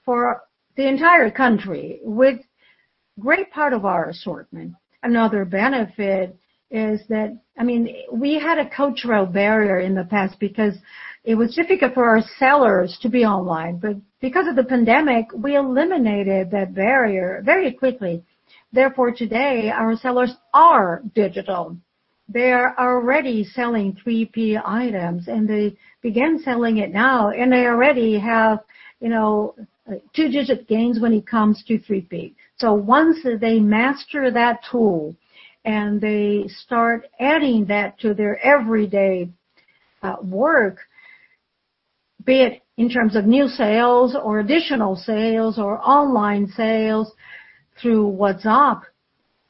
Speaker 2: for the entire country with great part of our assortment. Another benefit is that we had a cultural barrier in the past because it was difficult for our sellers to be online. Because of the pandemic, we eliminated that barrier very quickly. Therefore, today, our sellers are digital. They are already selling 3P items. They began selling it now. They already have two-digit gains when it comes to 3P. Once they master that tool and they start adding that to their everyday work, be it in terms of new sales or additional sales or online sales through WhatsApp,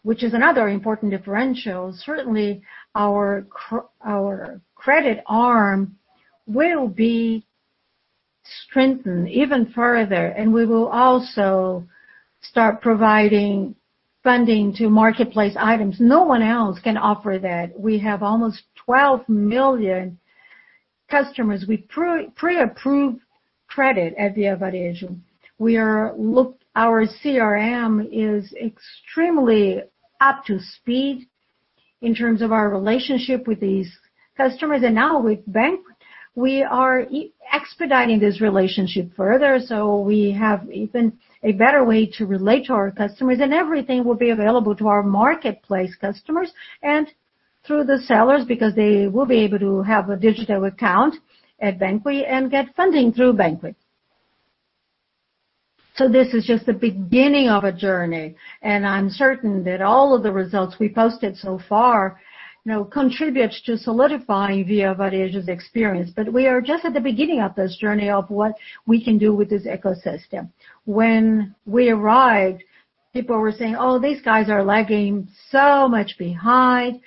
Speaker 2: which is another important differential. Certainly, our credit arm will be strengthened even further. We will also start providing funding to marketplace items. No one else can offer that. We have almost 12 million customers with pre-approved credit at Via Varejo. Our CRM is extremely up to speed in terms of our relationship with these customers. Now with BanQi, we are expediting this relationship further. We have even a better way to relate to our customers. Everything will be available to our marketplace customers and through the sellers because they will be able to have a digital account at BanQi and get funding through BanQi. This is just the beginning of a journey, and I'm certain that all of the results we posted so far contributes to solidifying Via Varejo's experience. We are just at the beginning of this journey of what we can do with this ecosystem. When we arrived, people were saying, "Oh, these guys are lagging so much behind."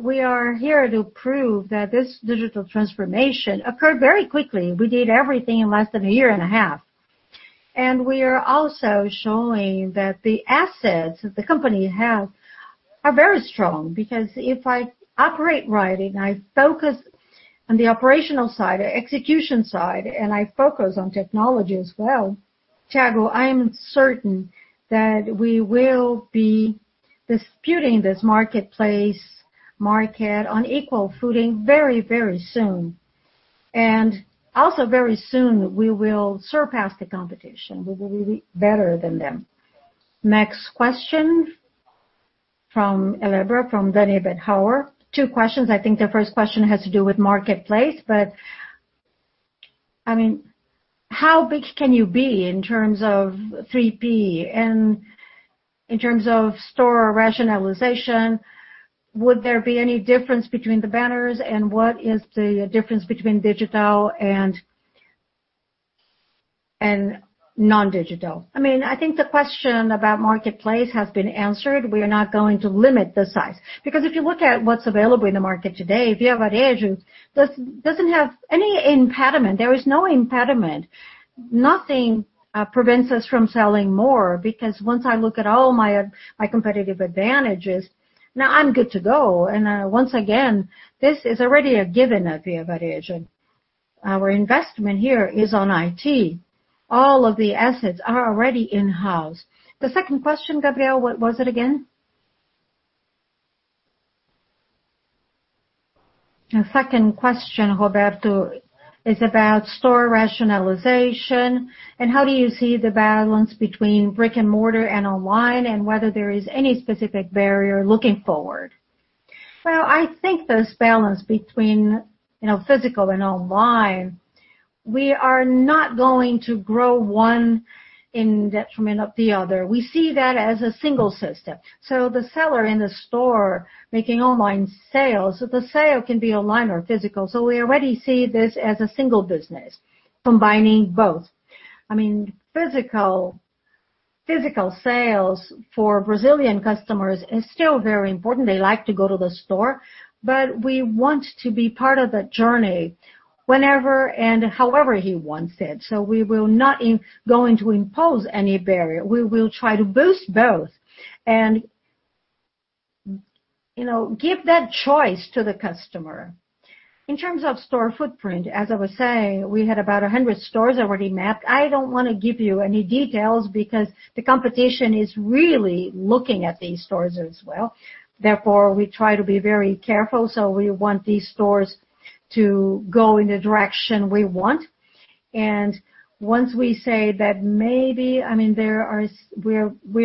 Speaker 2: We are here to prove that this digital transformation occurred very quickly. We did everything in less than one year and a half. We are also showing that the assets that the company have are very strong, because if I operate right and I focus on the operational side, the execution side, and I focus on technology as well, Thiago, I am certain that we will be disputing this marketplace market on equal footing very soon. Also very soon, we will surpass the competition. We will be better than them.
Speaker 4: Next question from Elebra, from Daniel Bettega. Two questions. I think the first question has to do with marketplace, but how big can you be in terms of 3P and in terms of store rationalization? Would there be any difference between the banners, and what is the difference between digital and non-digital?
Speaker 2: I think the question about marketplace has been answered. We are not going to limit the size because if you look at what's available in the market today, Via Varejo doesn't have any impediment. There is no impediment. Nothing prevents us from selling more because once I look at all my competitive advantages, now I'm good to go. Once again, this is already a given at Via Varejo. Our investment here is on IT. All of the assets are already in-house. The second question, Gabriel, what was it again?
Speaker 4: The second question, Roberto, is about store rationalization and how do you see the balance between brick and mortar and online, and whether there is any specific barrier looking forward.
Speaker 2: Well, I think this balance between physical and online, we are not going to grow one in detriment of the other. We see that as a single system. The seller in the store making online sales, the sale can be online or physical. We already see this as a single business combining both. Physical sales for Brazilian customers is still very important. They like to go to the store, but we want to be part of that journey whenever and however he wants it. We will not going to impose any barrier. We will try to boost both and give that choice to the customer. In terms of store footprint, as I was saying, we had about 100 stores already mapped. I don't want to give you any details because the competition is really looking at these stores as well. Therefore, we try to be very careful. We want these stores to go in the direction we want. We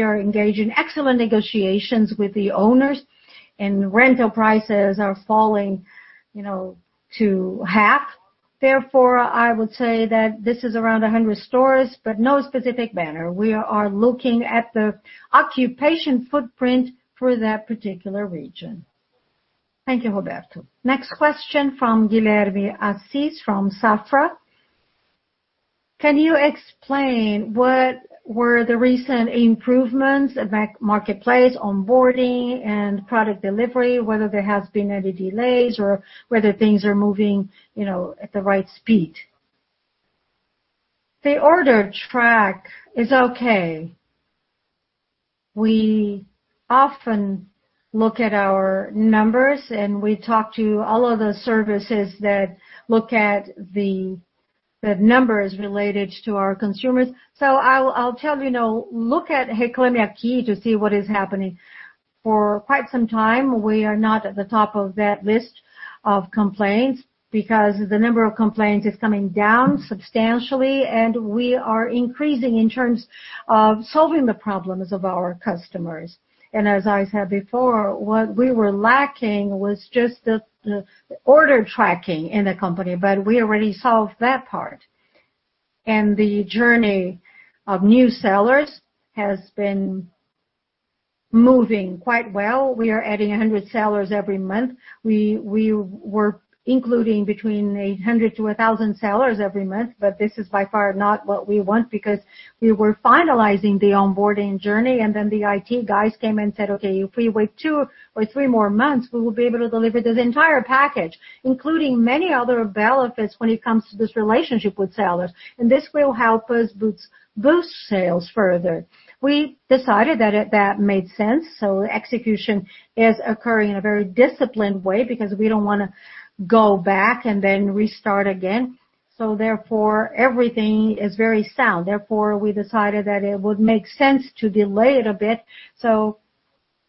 Speaker 2: are engaged in excellent negotiations with the owners, and rental prices are falling to half. Therefore, I would say that this is around 100 stores, but no specific banner. We are looking at the occupation footprint for that particular region.
Speaker 4: Thank you, Roberto. Next question from Guilherme Assis from Safra. Can you explain what were the recent improvements in the marketplace, onboarding, and product delivery, whether there has been any delays or whether things are moving at the right speed?
Speaker 2: The order track is okay. We often look at our numbers, and we talk to all of the services that look at the numbers related to our consumers. I'll tell you, look at Reclame Aqui to see what is happening. For quite some time, we are not at the top of that list of complaints because the number of complaints is coming down substantially, and we are increasing in terms of solving the problems of our customers. As I said before, what we were lacking was just the order tracking in the company, but we already solved that part. The journey of new sellers has been moving quite well. We are adding 100 sellers every month. We were including between 800 to 1,000 sellers every month, but this is by far not what we want because we were finalizing the onboarding journey, and then the IT guys came and said, "Okay, if we wait two or three more months, we will be able to deliver this entire package," including many other benefits when it comes to this relationship with sellers. This will help us boost sales further. We decided that made sense, so execution is occurring in a very disciplined way because we don't want to go back and then restart again. Therefore, everything is very sound. Therefore, we decided that it would make sense to delay it a bit.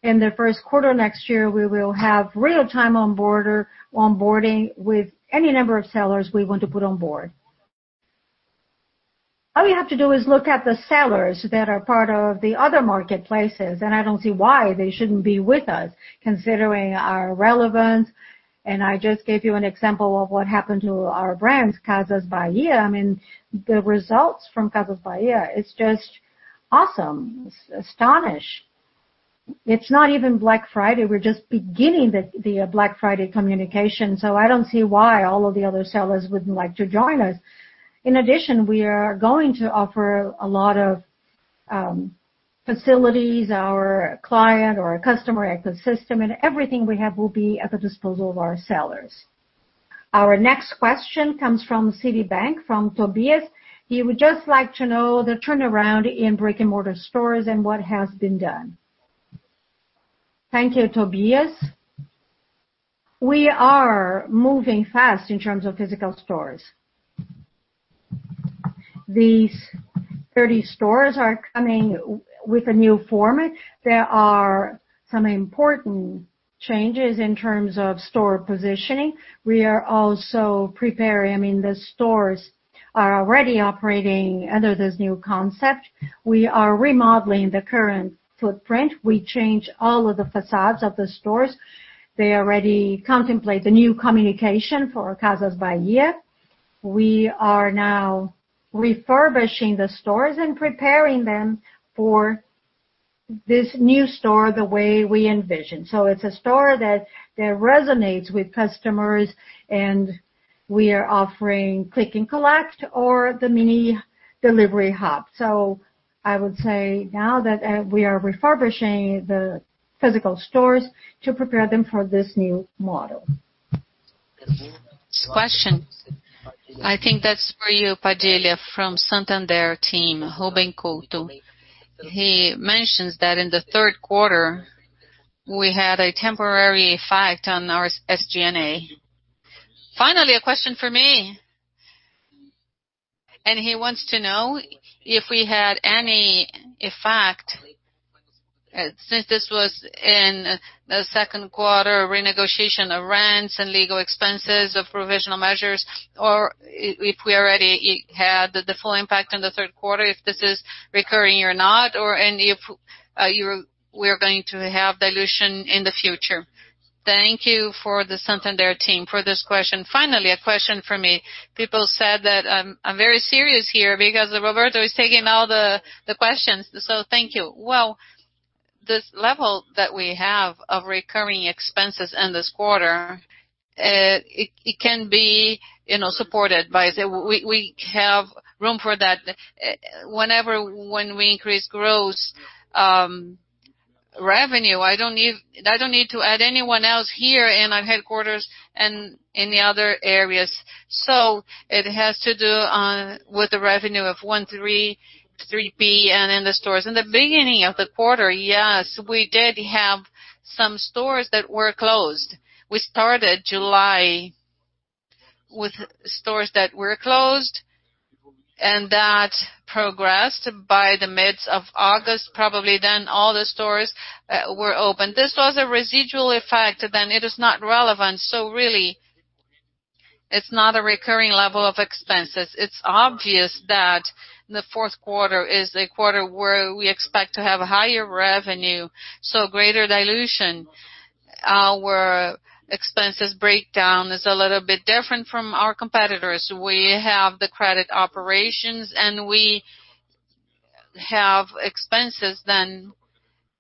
Speaker 2: In the first quarter next year, we will have real-time onboarding with any number of sellers we want to put on board. All you have to do is look at the sellers that are part of the other marketplaces, and I don't see why they shouldn't be with us, considering our relevance. I just gave you an example of what happened to our brands, Casas Bahia. The results from Casas Bahia, it's just awesome. It's astonishing. It's not even Black Friday. We're just beginning the Black Friday communication. I don't see why all of the other sellers wouldn't like to join us. In addition, we are going to offer a lot of facilities, our client or customer ecosystem, and everything we have will be at the disposal of our sellers.
Speaker 4: Our next question comes from Citibank, from Tobias. He would just like to know the turnaround in brick-and-mortar stores and what has been done.
Speaker 2: Thank you, Tobias. We are moving fast in terms of physical stores. These 30 stores are coming with a new format. There are some important changes in terms of store positioning. We are also preparing. The stores are already operating under this new concept. We are remodeling the current footprint. We changed all of the facades of the stores. They already contemplate the new communication for Casas Bahia. We are now refurbishing the stores and preparing them for this new store the way we envision. It's a store that resonates with customers, and we are offering click and collect or the mini delivery hub. I would say now that we are refurbishing the physical stores to prepare them for this new model.
Speaker 4: Question. I think that's for you, Padilha, from Santander team, Ruben Couto. He mentions that in the third quarter, we had a temporary effect on our SG&A.
Speaker 3: Finally, a question for me. He wants to know if we had any effect, since this was in the second quarter, renegotiation of rents and legal expenses of provisional measures, or if we already had the full impact on the third quarter, if this is recurring or not, and if we're going to have dilution in the future. Thank you for the Santander team for this question. Finally, a question for me. People said that I'm very serious here because Roberto is taking all the questions. Thank you. This level that we have of recurring expenses in this quarter, it can be supported. We have room for that. Whenever we increase gross revenue, I don't need to add anyone else here in our headquarters and in the other areas. It has to do with the revenue of 133 billion and in the stores. In the beginning of the quarter, yes, we did have some stores that were closed. We started July with stores that were closed, and that progressed by the mid of August, probably then all the stores were open. This was a residual effect, and it is not relevant. Really, it's not a recurring level of expenses. It's obvious that the fourth quarter is a quarter where we expect to have a higher revenue, so greater dilution. Our expenses breakdown is a little bit different from our competitors. We have the credit operations, we have expenses than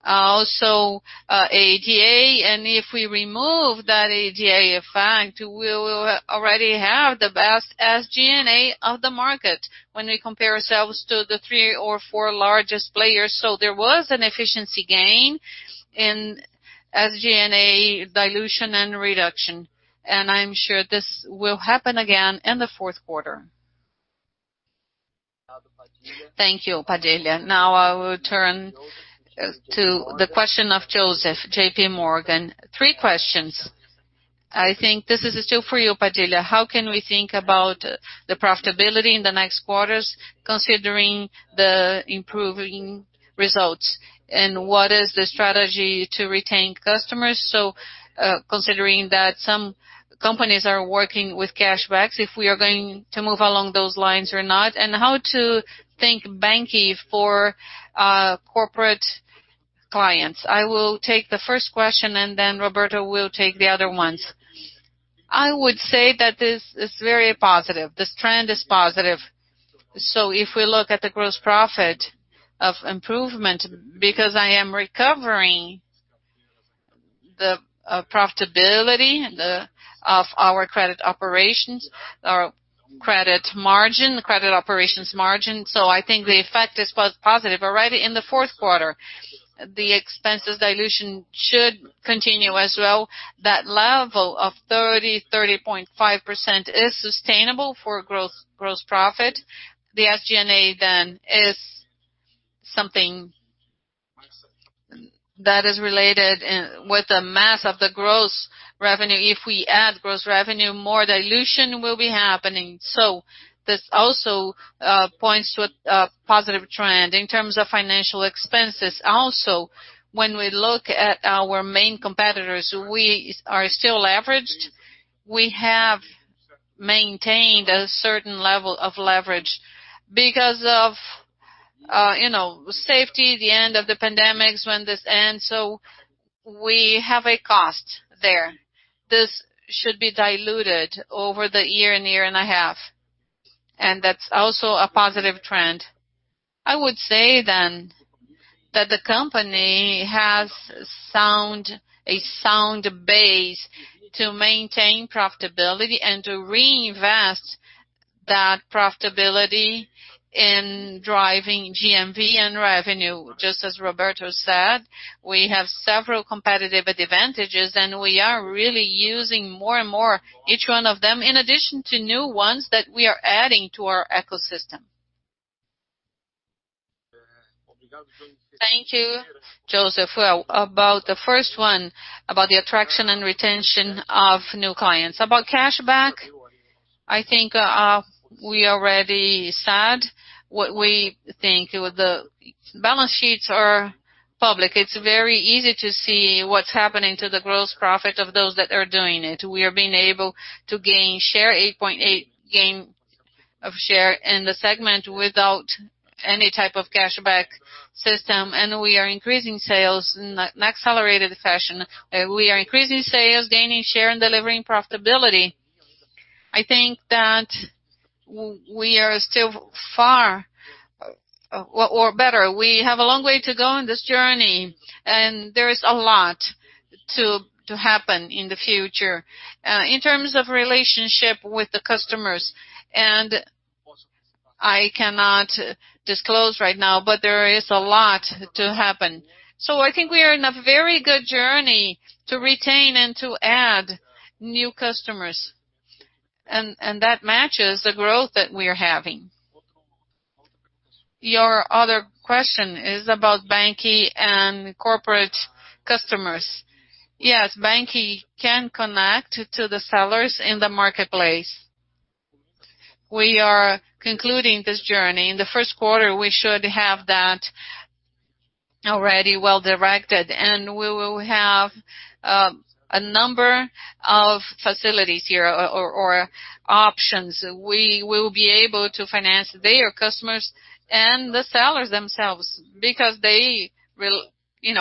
Speaker 3: also ADA. If we remove that ADA effect, we will already have the best SG&A of the market when we compare ourselves to the three or four largest players. There was an efficiency gain in SG&A dilution and reduction, and I'm sure this will happen again in the fourth quarter.
Speaker 4: Thank you, Padilha. Now I will turn to the question of Joseph, JPMorgan. Three questions. I think this is still for you, Padilha. How can we think about the profitability in the next quarters considering the improving results? What is the strategy to retain customers? Considering that some companies are working with cashbacks, if we are going to move along those lines or not. How to think BanQi for corporate clients.
Speaker 3: I will take the first question. Roberto will take the other ones. I would say that this is very positive. This trend is positive. If we look at the gross profit of improvement, because I am recovering the profitability of our credit operations or credit margin, the credit operations margin. I think the effect is positive already in the fourth quarter. The expenses dilution should continue as well. That level of 30.5% is sustainable for gross profit. The SG&A then is something that is related with the mass of the gross revenue. If we add gross revenue, more dilution will be happening. This also points to a positive trend in terms of financial expenses. Also, when we look at our main competitors, we are still leveraged. We have maintained a certain level of leverage because of safety, the end of the pandemics when this ends. We have a cost there. This should be diluted over the year and year and a half, and that's also a positive trend. I would say then that the company has a sound base to maintain profitability and to reinvest that profitability in driving GMV and revenue. Just as Roberto said, we have several competitive advantages and we are really using more and more each one of them, in addition to new ones that we are adding to our ecosystem.
Speaker 2: Thank you, Joseph. About the first one, about the attraction and retention of new clients. About cashback, I think we already said what we think. The balance sheets are public. It's very easy to see what's happening to the gross profit of those that are doing it. We are being able to gain share, 8.8 gain of share in the segment without any type of cashback system. We are increasing sales in an accelerated fashion. We are increasing sales, gaining share and delivering profitability. I think that we are still far or better. We have a long way to go on this journey, and there is a lot to happen in the future. In terms of relationship with the customers, and I cannot disclose right now, but there is a lot to happen. I think we are in a very good journey to retain and to add new customers, and that matches the growth that we are having. Your other question is about BanQi and corporate customers. Yes, BanQi can connect to the sellers in the marketplace. We are concluding this journey. In the first quarter, we should have that already well-directed. We will have a number of facilities here or options. We will be able to finance their customers and the sellers themselves because they will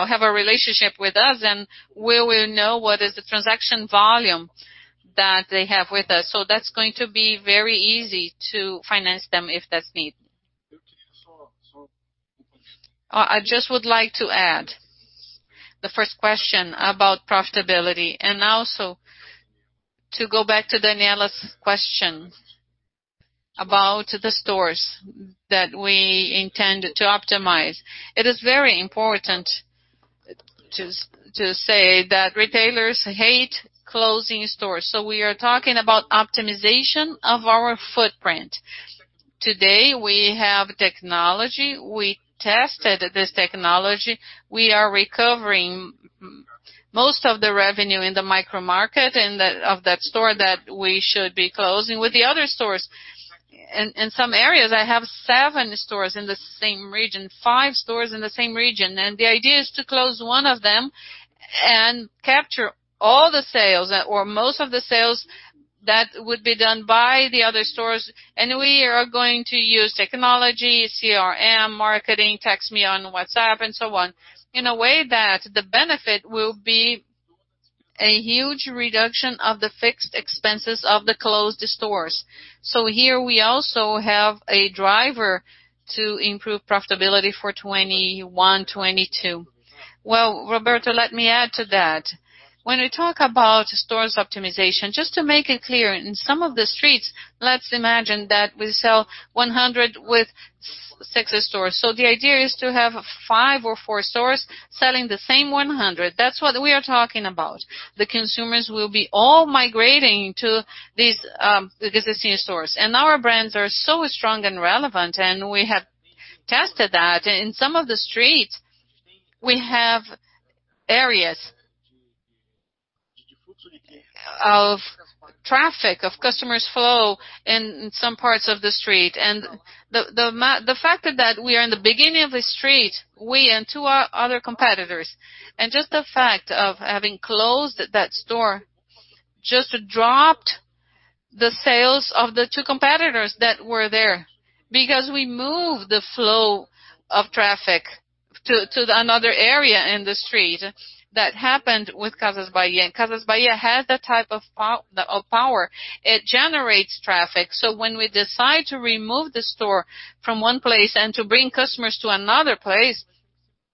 Speaker 2: have a relationship with us, and we will know what is the transaction volume that they have with us. That's going to be very easy to finance them if that's needed. I just would like to add the first question about profitability and also to go back to Daniela's question about the stores that we intend to optimize. It is very important to say that retailers hate closing stores. We are talking about optimization of our footprint. Today, we have technology. We tested this technology. We are recovering most of the revenue in the micro market of that store that we should be closing with the other stores. In some areas, I have seven stores in the same region, five stores in the same region. The idea is to close one of them and capture all the sales or most of the sales that would be done by the other stores. We are going to use technology, CRM, marketing, TextMe on WhatsApp and so on, in a way that the benefit will be a huge reduction of the fixed expenses of the closed stores. Here we also have a driver to improve profitability for 2021, 2022.
Speaker 3: Well, Roberto, let me add to that. When we talk about stores optimization, just to make it clear, in some of the streets, let's imagine that we sell 100 with six stores. The idea is to have five or four stores selling the same 100. That's what we are talking about. The consumers will be all migrating to these existing stores. Our brands are so strong and relevant, and we have tested that. In some of the streets, we have areas of traffic, of customers flow in some parts of the street. The fact that we are in the beginning of the street, we and two other competitors, and just the fact of having closed that store just dropped the sales of the two competitors that were there, because we moved the flow of traffic to another area in the street. That happened with Casas Bahia. Casas Bahia has that type of power. It generates traffic. When we decide to remove the store from one place and to bring customers to another place,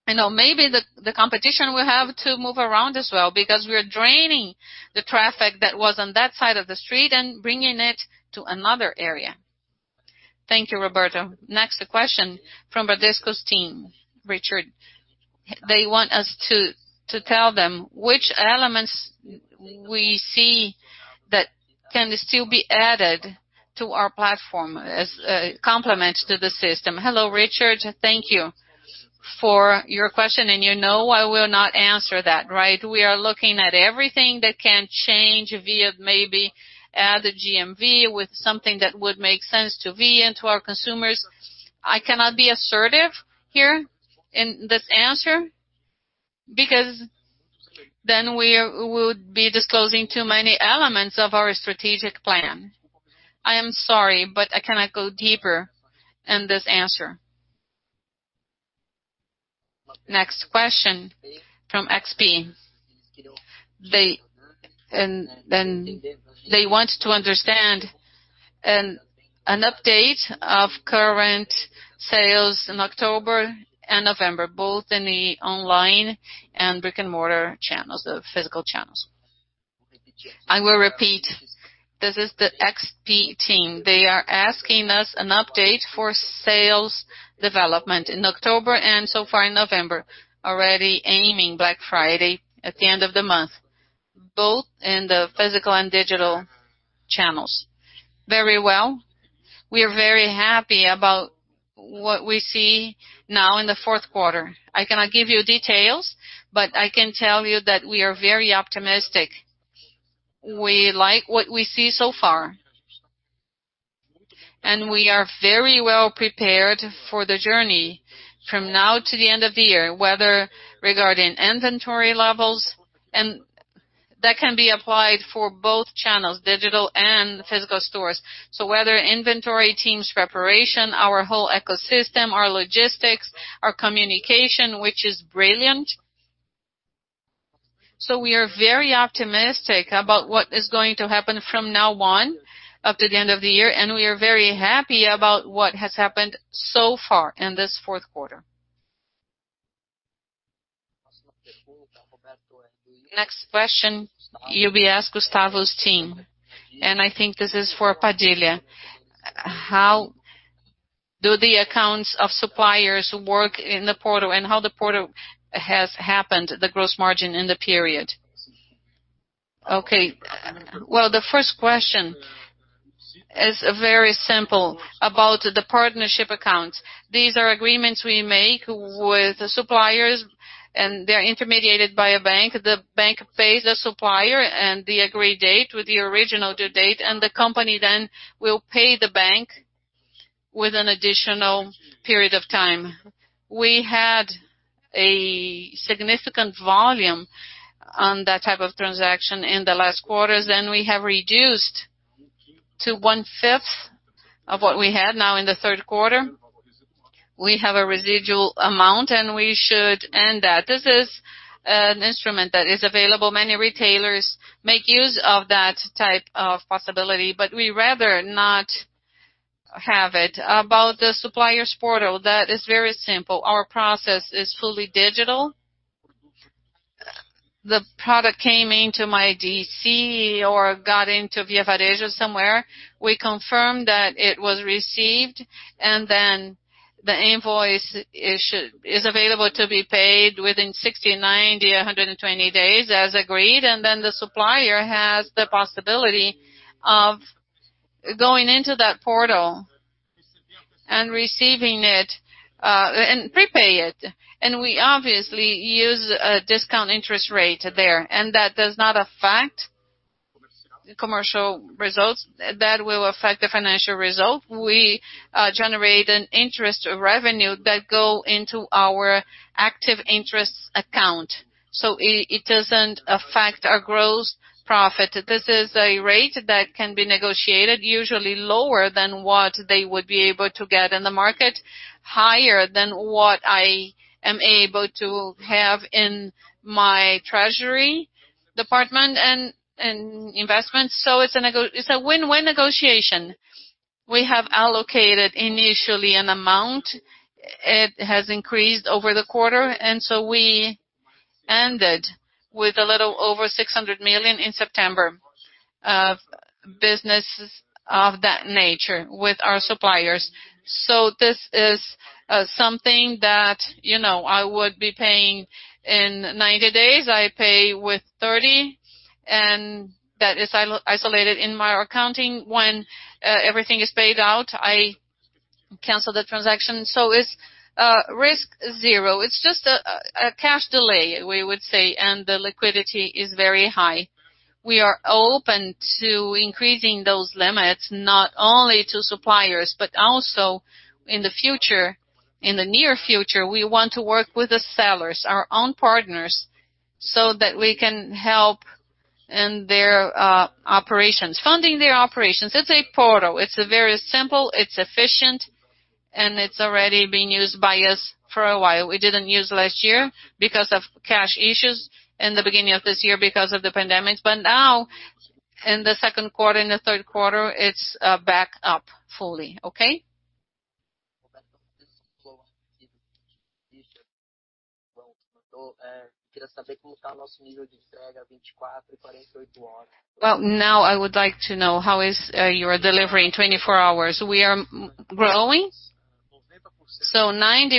Speaker 3: maybe the competition will have to move around as well because we're draining the traffic that was on that side of the street and bringing it to another area.
Speaker 4: Thank you, Roberto. Next question from Bradesco's team. Richard. They want us to tell them which elements we see that can still be added to our platform as a complement to the system.
Speaker 2: Hello, Richard. Thank you for your question. You know I will not answer that, right? We are looking at everything that can change via maybe add a GMV with something that would make sense to we and to our consumers. I cannot be assertive here in this answer, because then we would be disclosing too many elements of our strategic plan. I am sorry, but I cannot go deeper in this answer.
Speaker 4: Next question from XP. They want to understand an update of current sales in October and November, both in the online and brick-and-mortar channels, the physical channels. I will repeat, this is the XP team. They are asking us an update for sales development in October and so far in November, already aiming Black Friday at the end of the month, both in the physical and digital channels.
Speaker 2: Very well. We are very happy about what we see now in the fourth quarter. I cannot give you details, but I can tell you that we are very optimistic. We like what we see so far. We are very well prepared for the journey from now to the end of the year, whether regarding inventory levels. That can be applied for both channels, digital and physical stores. Whether inventory teams preparation, our whole ecosystem, our logistics, our communication, which is brilliant. We are very optimistic about what is going to happen from now on up to the end of the year, and we are very happy about what has happened so far in this fourth quarter.
Speaker 4: Next question, UBS, Gustavo's team. I think this is for Padilha. How do the accounts of suppliers work in the portal, and how the portal has happened, the gross margin in the period?
Speaker 3: Okay. Well, the first question is very simple about the partnership accounts. These are agreements we make with suppliers, and they're intermediated by a bank. The bank pays the supplier on the agreed date with the original due date, and the company then will pay the bank with an additional period of time. We had a significant volume on that type of transaction in the last quarters, then we have reduced to one-fifth of what we had now in the third quarter. We have a residual amount, and we should end that. This is an instrument that is available. Many retailers make use of that type of possibility, but we rather not have it. About the suppliers portal, that is very simple. Our process is fully digital. The product came into my DC or got into Via Direta somewhere. We confirm that it was received, and then the invoice is available to be paid within 60, 90, 120 days as agreed, and then the supplier has the possibility of going into that portal and receiving it, and prepay it. We obviously use a discount interest rate there. That does not affect commercial results that will affect the financial result. We generate an interest revenue that go into our active interest account. It doesn't affect our gross profit. This is a rate that can be negotiated, usually lower than what they would be able to get in the market, higher than what I am able to have in my treasury department and investments. It's a win-win negotiation. We have allocated initially an amount. It has increased over the quarter. We ended with a little over 600 million in September of business of that nature with our suppliers. This is something that I would be paying in 90 days. I pay with 30, and that is isolated in my accounting. When everything is paid out, I cancel the transaction. It's risk zero. It's just a cash delay, we would say, and the liquidity is very high. We are open to increasing those limits not only to suppliers but also in the future, in the near future, we want to work with the sellers, our own partners, so that we can help in their operations, funding their operations. It's a portal. It's very simple, it's efficient, and it's already been used by us for a while. We didn't use it last year because of cash issues, in the beginning of this year because of the pandemic. Now, in the second quarter and the third quarter, it's back up fully. Okay?
Speaker 4: Well, now I would like to know how is your delivery in 24 hours.
Speaker 3: We are growing. 90%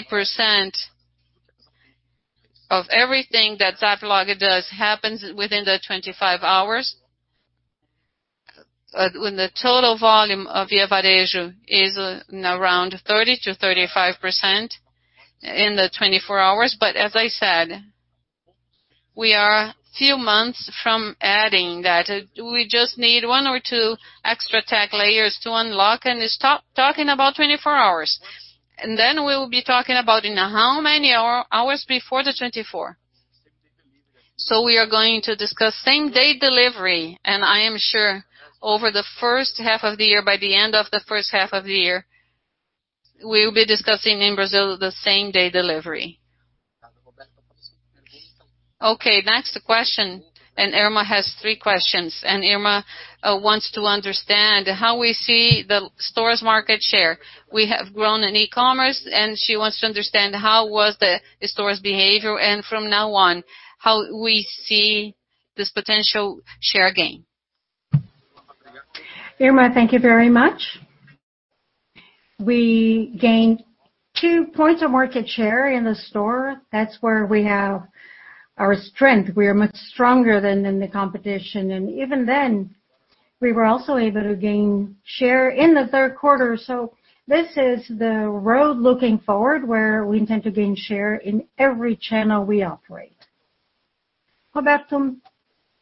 Speaker 3: of everything that ASAP Log does happens within the 25 hours. When the total volume of Via Varejo is around 30%-35% in the 24 hours.
Speaker 2: As I said, we are a few months from adding that. We just need one or two extra tech layers to unlock and stop talking about 24 hours. Then we will be talking about in how many hours before the 24. We are going to discuss same-day delivery, and I am sure over the first half of the year, by the end of the first half of the year, we will be discussing in Brazil the same-day delivery.
Speaker 4: Okay, that's the question. Irma has three questions. Irma wants to understand how we see the store's market share. We have grown in e-commerce, and she wants to understand how was the store's behavior, and from now on, how we see this potential share gain.
Speaker 2: Irma, thank you very much. We gained two points of market share in the store. That's where we have our strength. We are much stronger than the competition. Even then, we were also able to gain share in the third quarter. This is the road looking forward where we intend to gain share in every channel we operate.
Speaker 4: Roberto,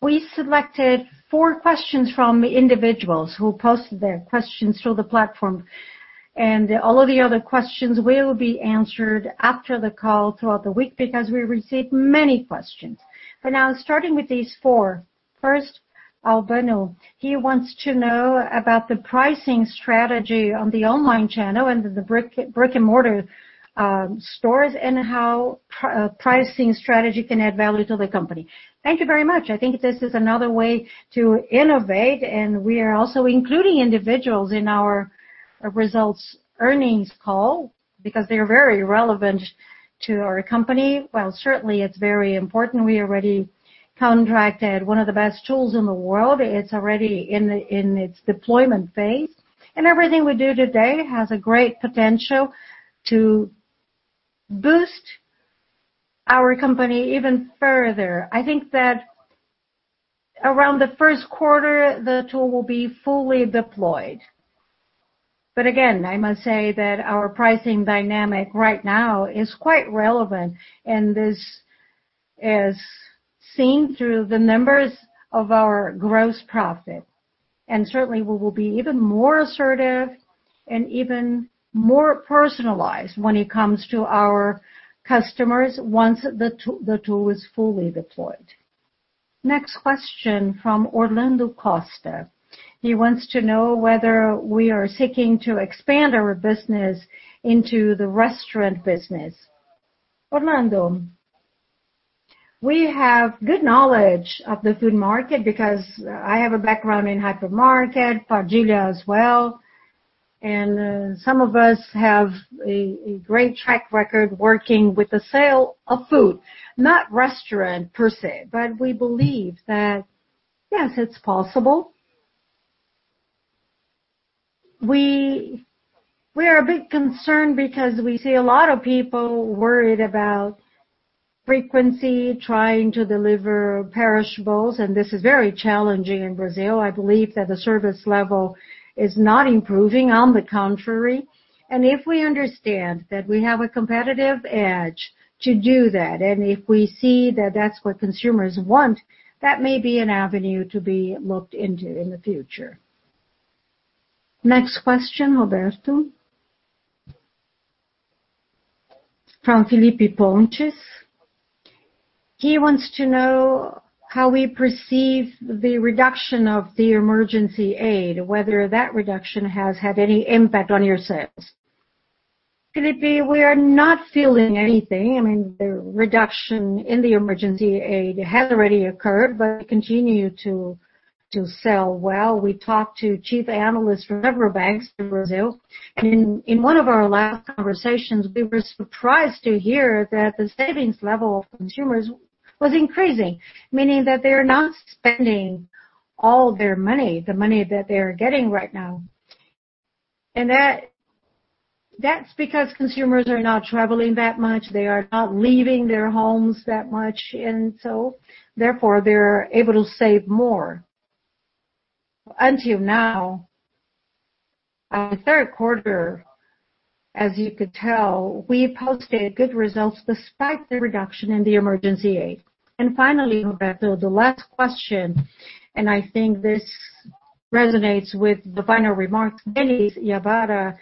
Speaker 4: we selected four questions from individuals who posted their questions through the platform. All of the other questions will be answered after the call throughout the week because we received many questions. Now starting with these four. First, Albano. He wants to know about the pricing strategy on the online channel and the brick-and-mortar stores and how pricing strategy can add value to the company.
Speaker 2: Thank you very much. I think this is another way to innovate, and we are also including individuals in our results earnings call because they are very relevant to our company. Well, certainly it's very important. We already contracted one of the best tools in the world. It's already in its deployment phase. Everything we do today has a great potential to boost our company even further. I think that around the first quarter, the tool will be fully deployed. Again, I must say that our pricing dynamic right now is quite relevant, and this is seen through the numbers of our gross profit. Certainly, we will be even more assertive and even more personalized when it comes to our customers once the tool is fully deployed. Next question from Orlando Costa. He wants to know whether we are seeking to expand our business into the restaurant business. Orlando, we have good knowledge of the food market because I have a background in hypermarket, Padilha as well. Some of us have a great track record working with the sale of food, not restaurant per se, but we believe that, yes, it's possible. We are a bit concerned because we see a lot of people worried about frequency, trying to deliver perishables, and this is very challenging in Brazil. I believe that the service level is not improving, on the contrary. If we understand that we have a competitive edge to do that, if we see that that's what consumers want, that may be an avenue to be looked into in the future.
Speaker 4: Next question, Roberto, from Felipe Pontes. He wants to know how we perceive the reduction of the emergency aid, whether that reduction has had any impact on your sales.
Speaker 2: Felipe, we are not feeling anything. I mean, the reduction in the emergency aid has already occurred, but we continue to sell well. We talked to chief analysts from several banks in Brazil, and in one of our last conversations, we were surprised to hear that the savings level of consumers was increasing, meaning that they're not spending all their money, the money that they are getting right now. That's because consumers are not traveling that much, they are not leaving their homes that much, and so therefore, they're able to save more. Until now, our third quarter, as you could tell, we posted good results despite the reduction in the emergency aid.
Speaker 4: Finally, Roberto, the last question, and I think this resonates with the final remarks. Dennis Iabara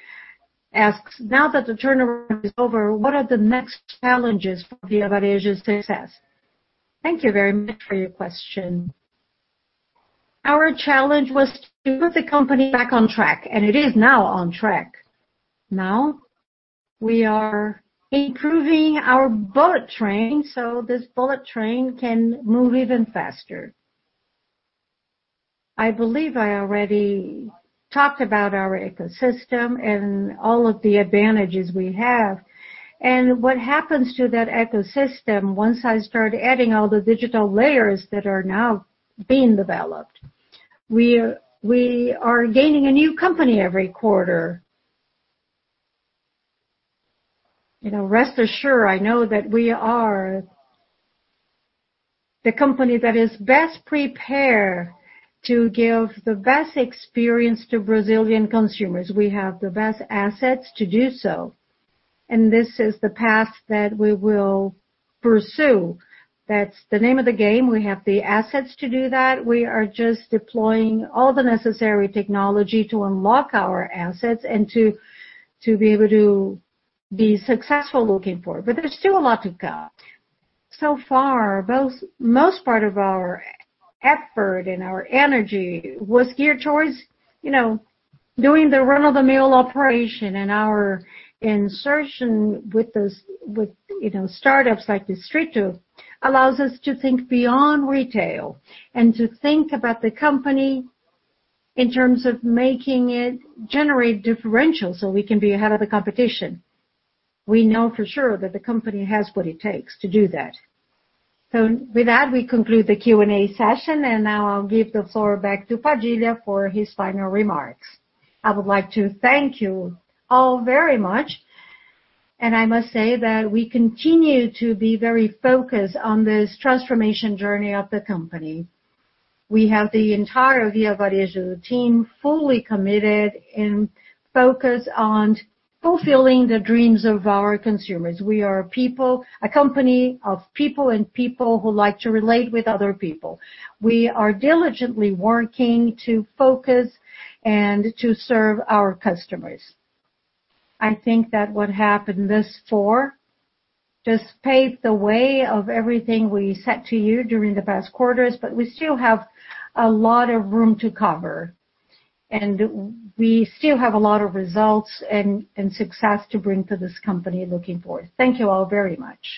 Speaker 4: asks, "Now that the turnaround is over, what are the next challenges for Via Varejo's success?"
Speaker 2: Thank you very much for your question. Our challenge was to put the company back on track, and it is now on track. Now we are improving our bullet train so this bullet train can move even faster. I believe I already talked about our ecosystem and all of the advantages we have, and what happens to that ecosystem once I start adding all the digital layers that are now being developed. We are gaining a new company every quarter. Rest assured, I know that we are the company that is best prepared to give the best experience to Brazilian consumers. We have the best assets to do so, and this is the path that we will pursue. That's the name of the game. We have the assets to do that. We are just deploying all the necessary technology to unlock our assets and to be able to be successful looking forward. There's still a lot to come. So far, most part of our effort and our energy was geared towards doing the run-of-the-mill operation and our insertion with startups like Distrito allows us to think beyond retail and to think about the company in terms of making it generate differential so we can be ahead of the competition. We know for sure that the company has what it takes to do that. With that, we conclude the Q&A session, and now I'll give the floor back to Padilha for his final remarks.
Speaker 3: I would like to thank you all very much, and I must say that we continue to be very focused on this transformation journey of the company. We have the entire Via Varejo team fully committed and focused on fulfilling the dreams of our consumers. We are a company of people and people who like to relate with other people. We are diligently working to focus and to serve our customers. I think that what happened this far just paved the way of everything we said to you during the past quarters. We still have a lot of room to cover, and we still have a lot of results and success to bring to this company looking forward. Thank you all very much.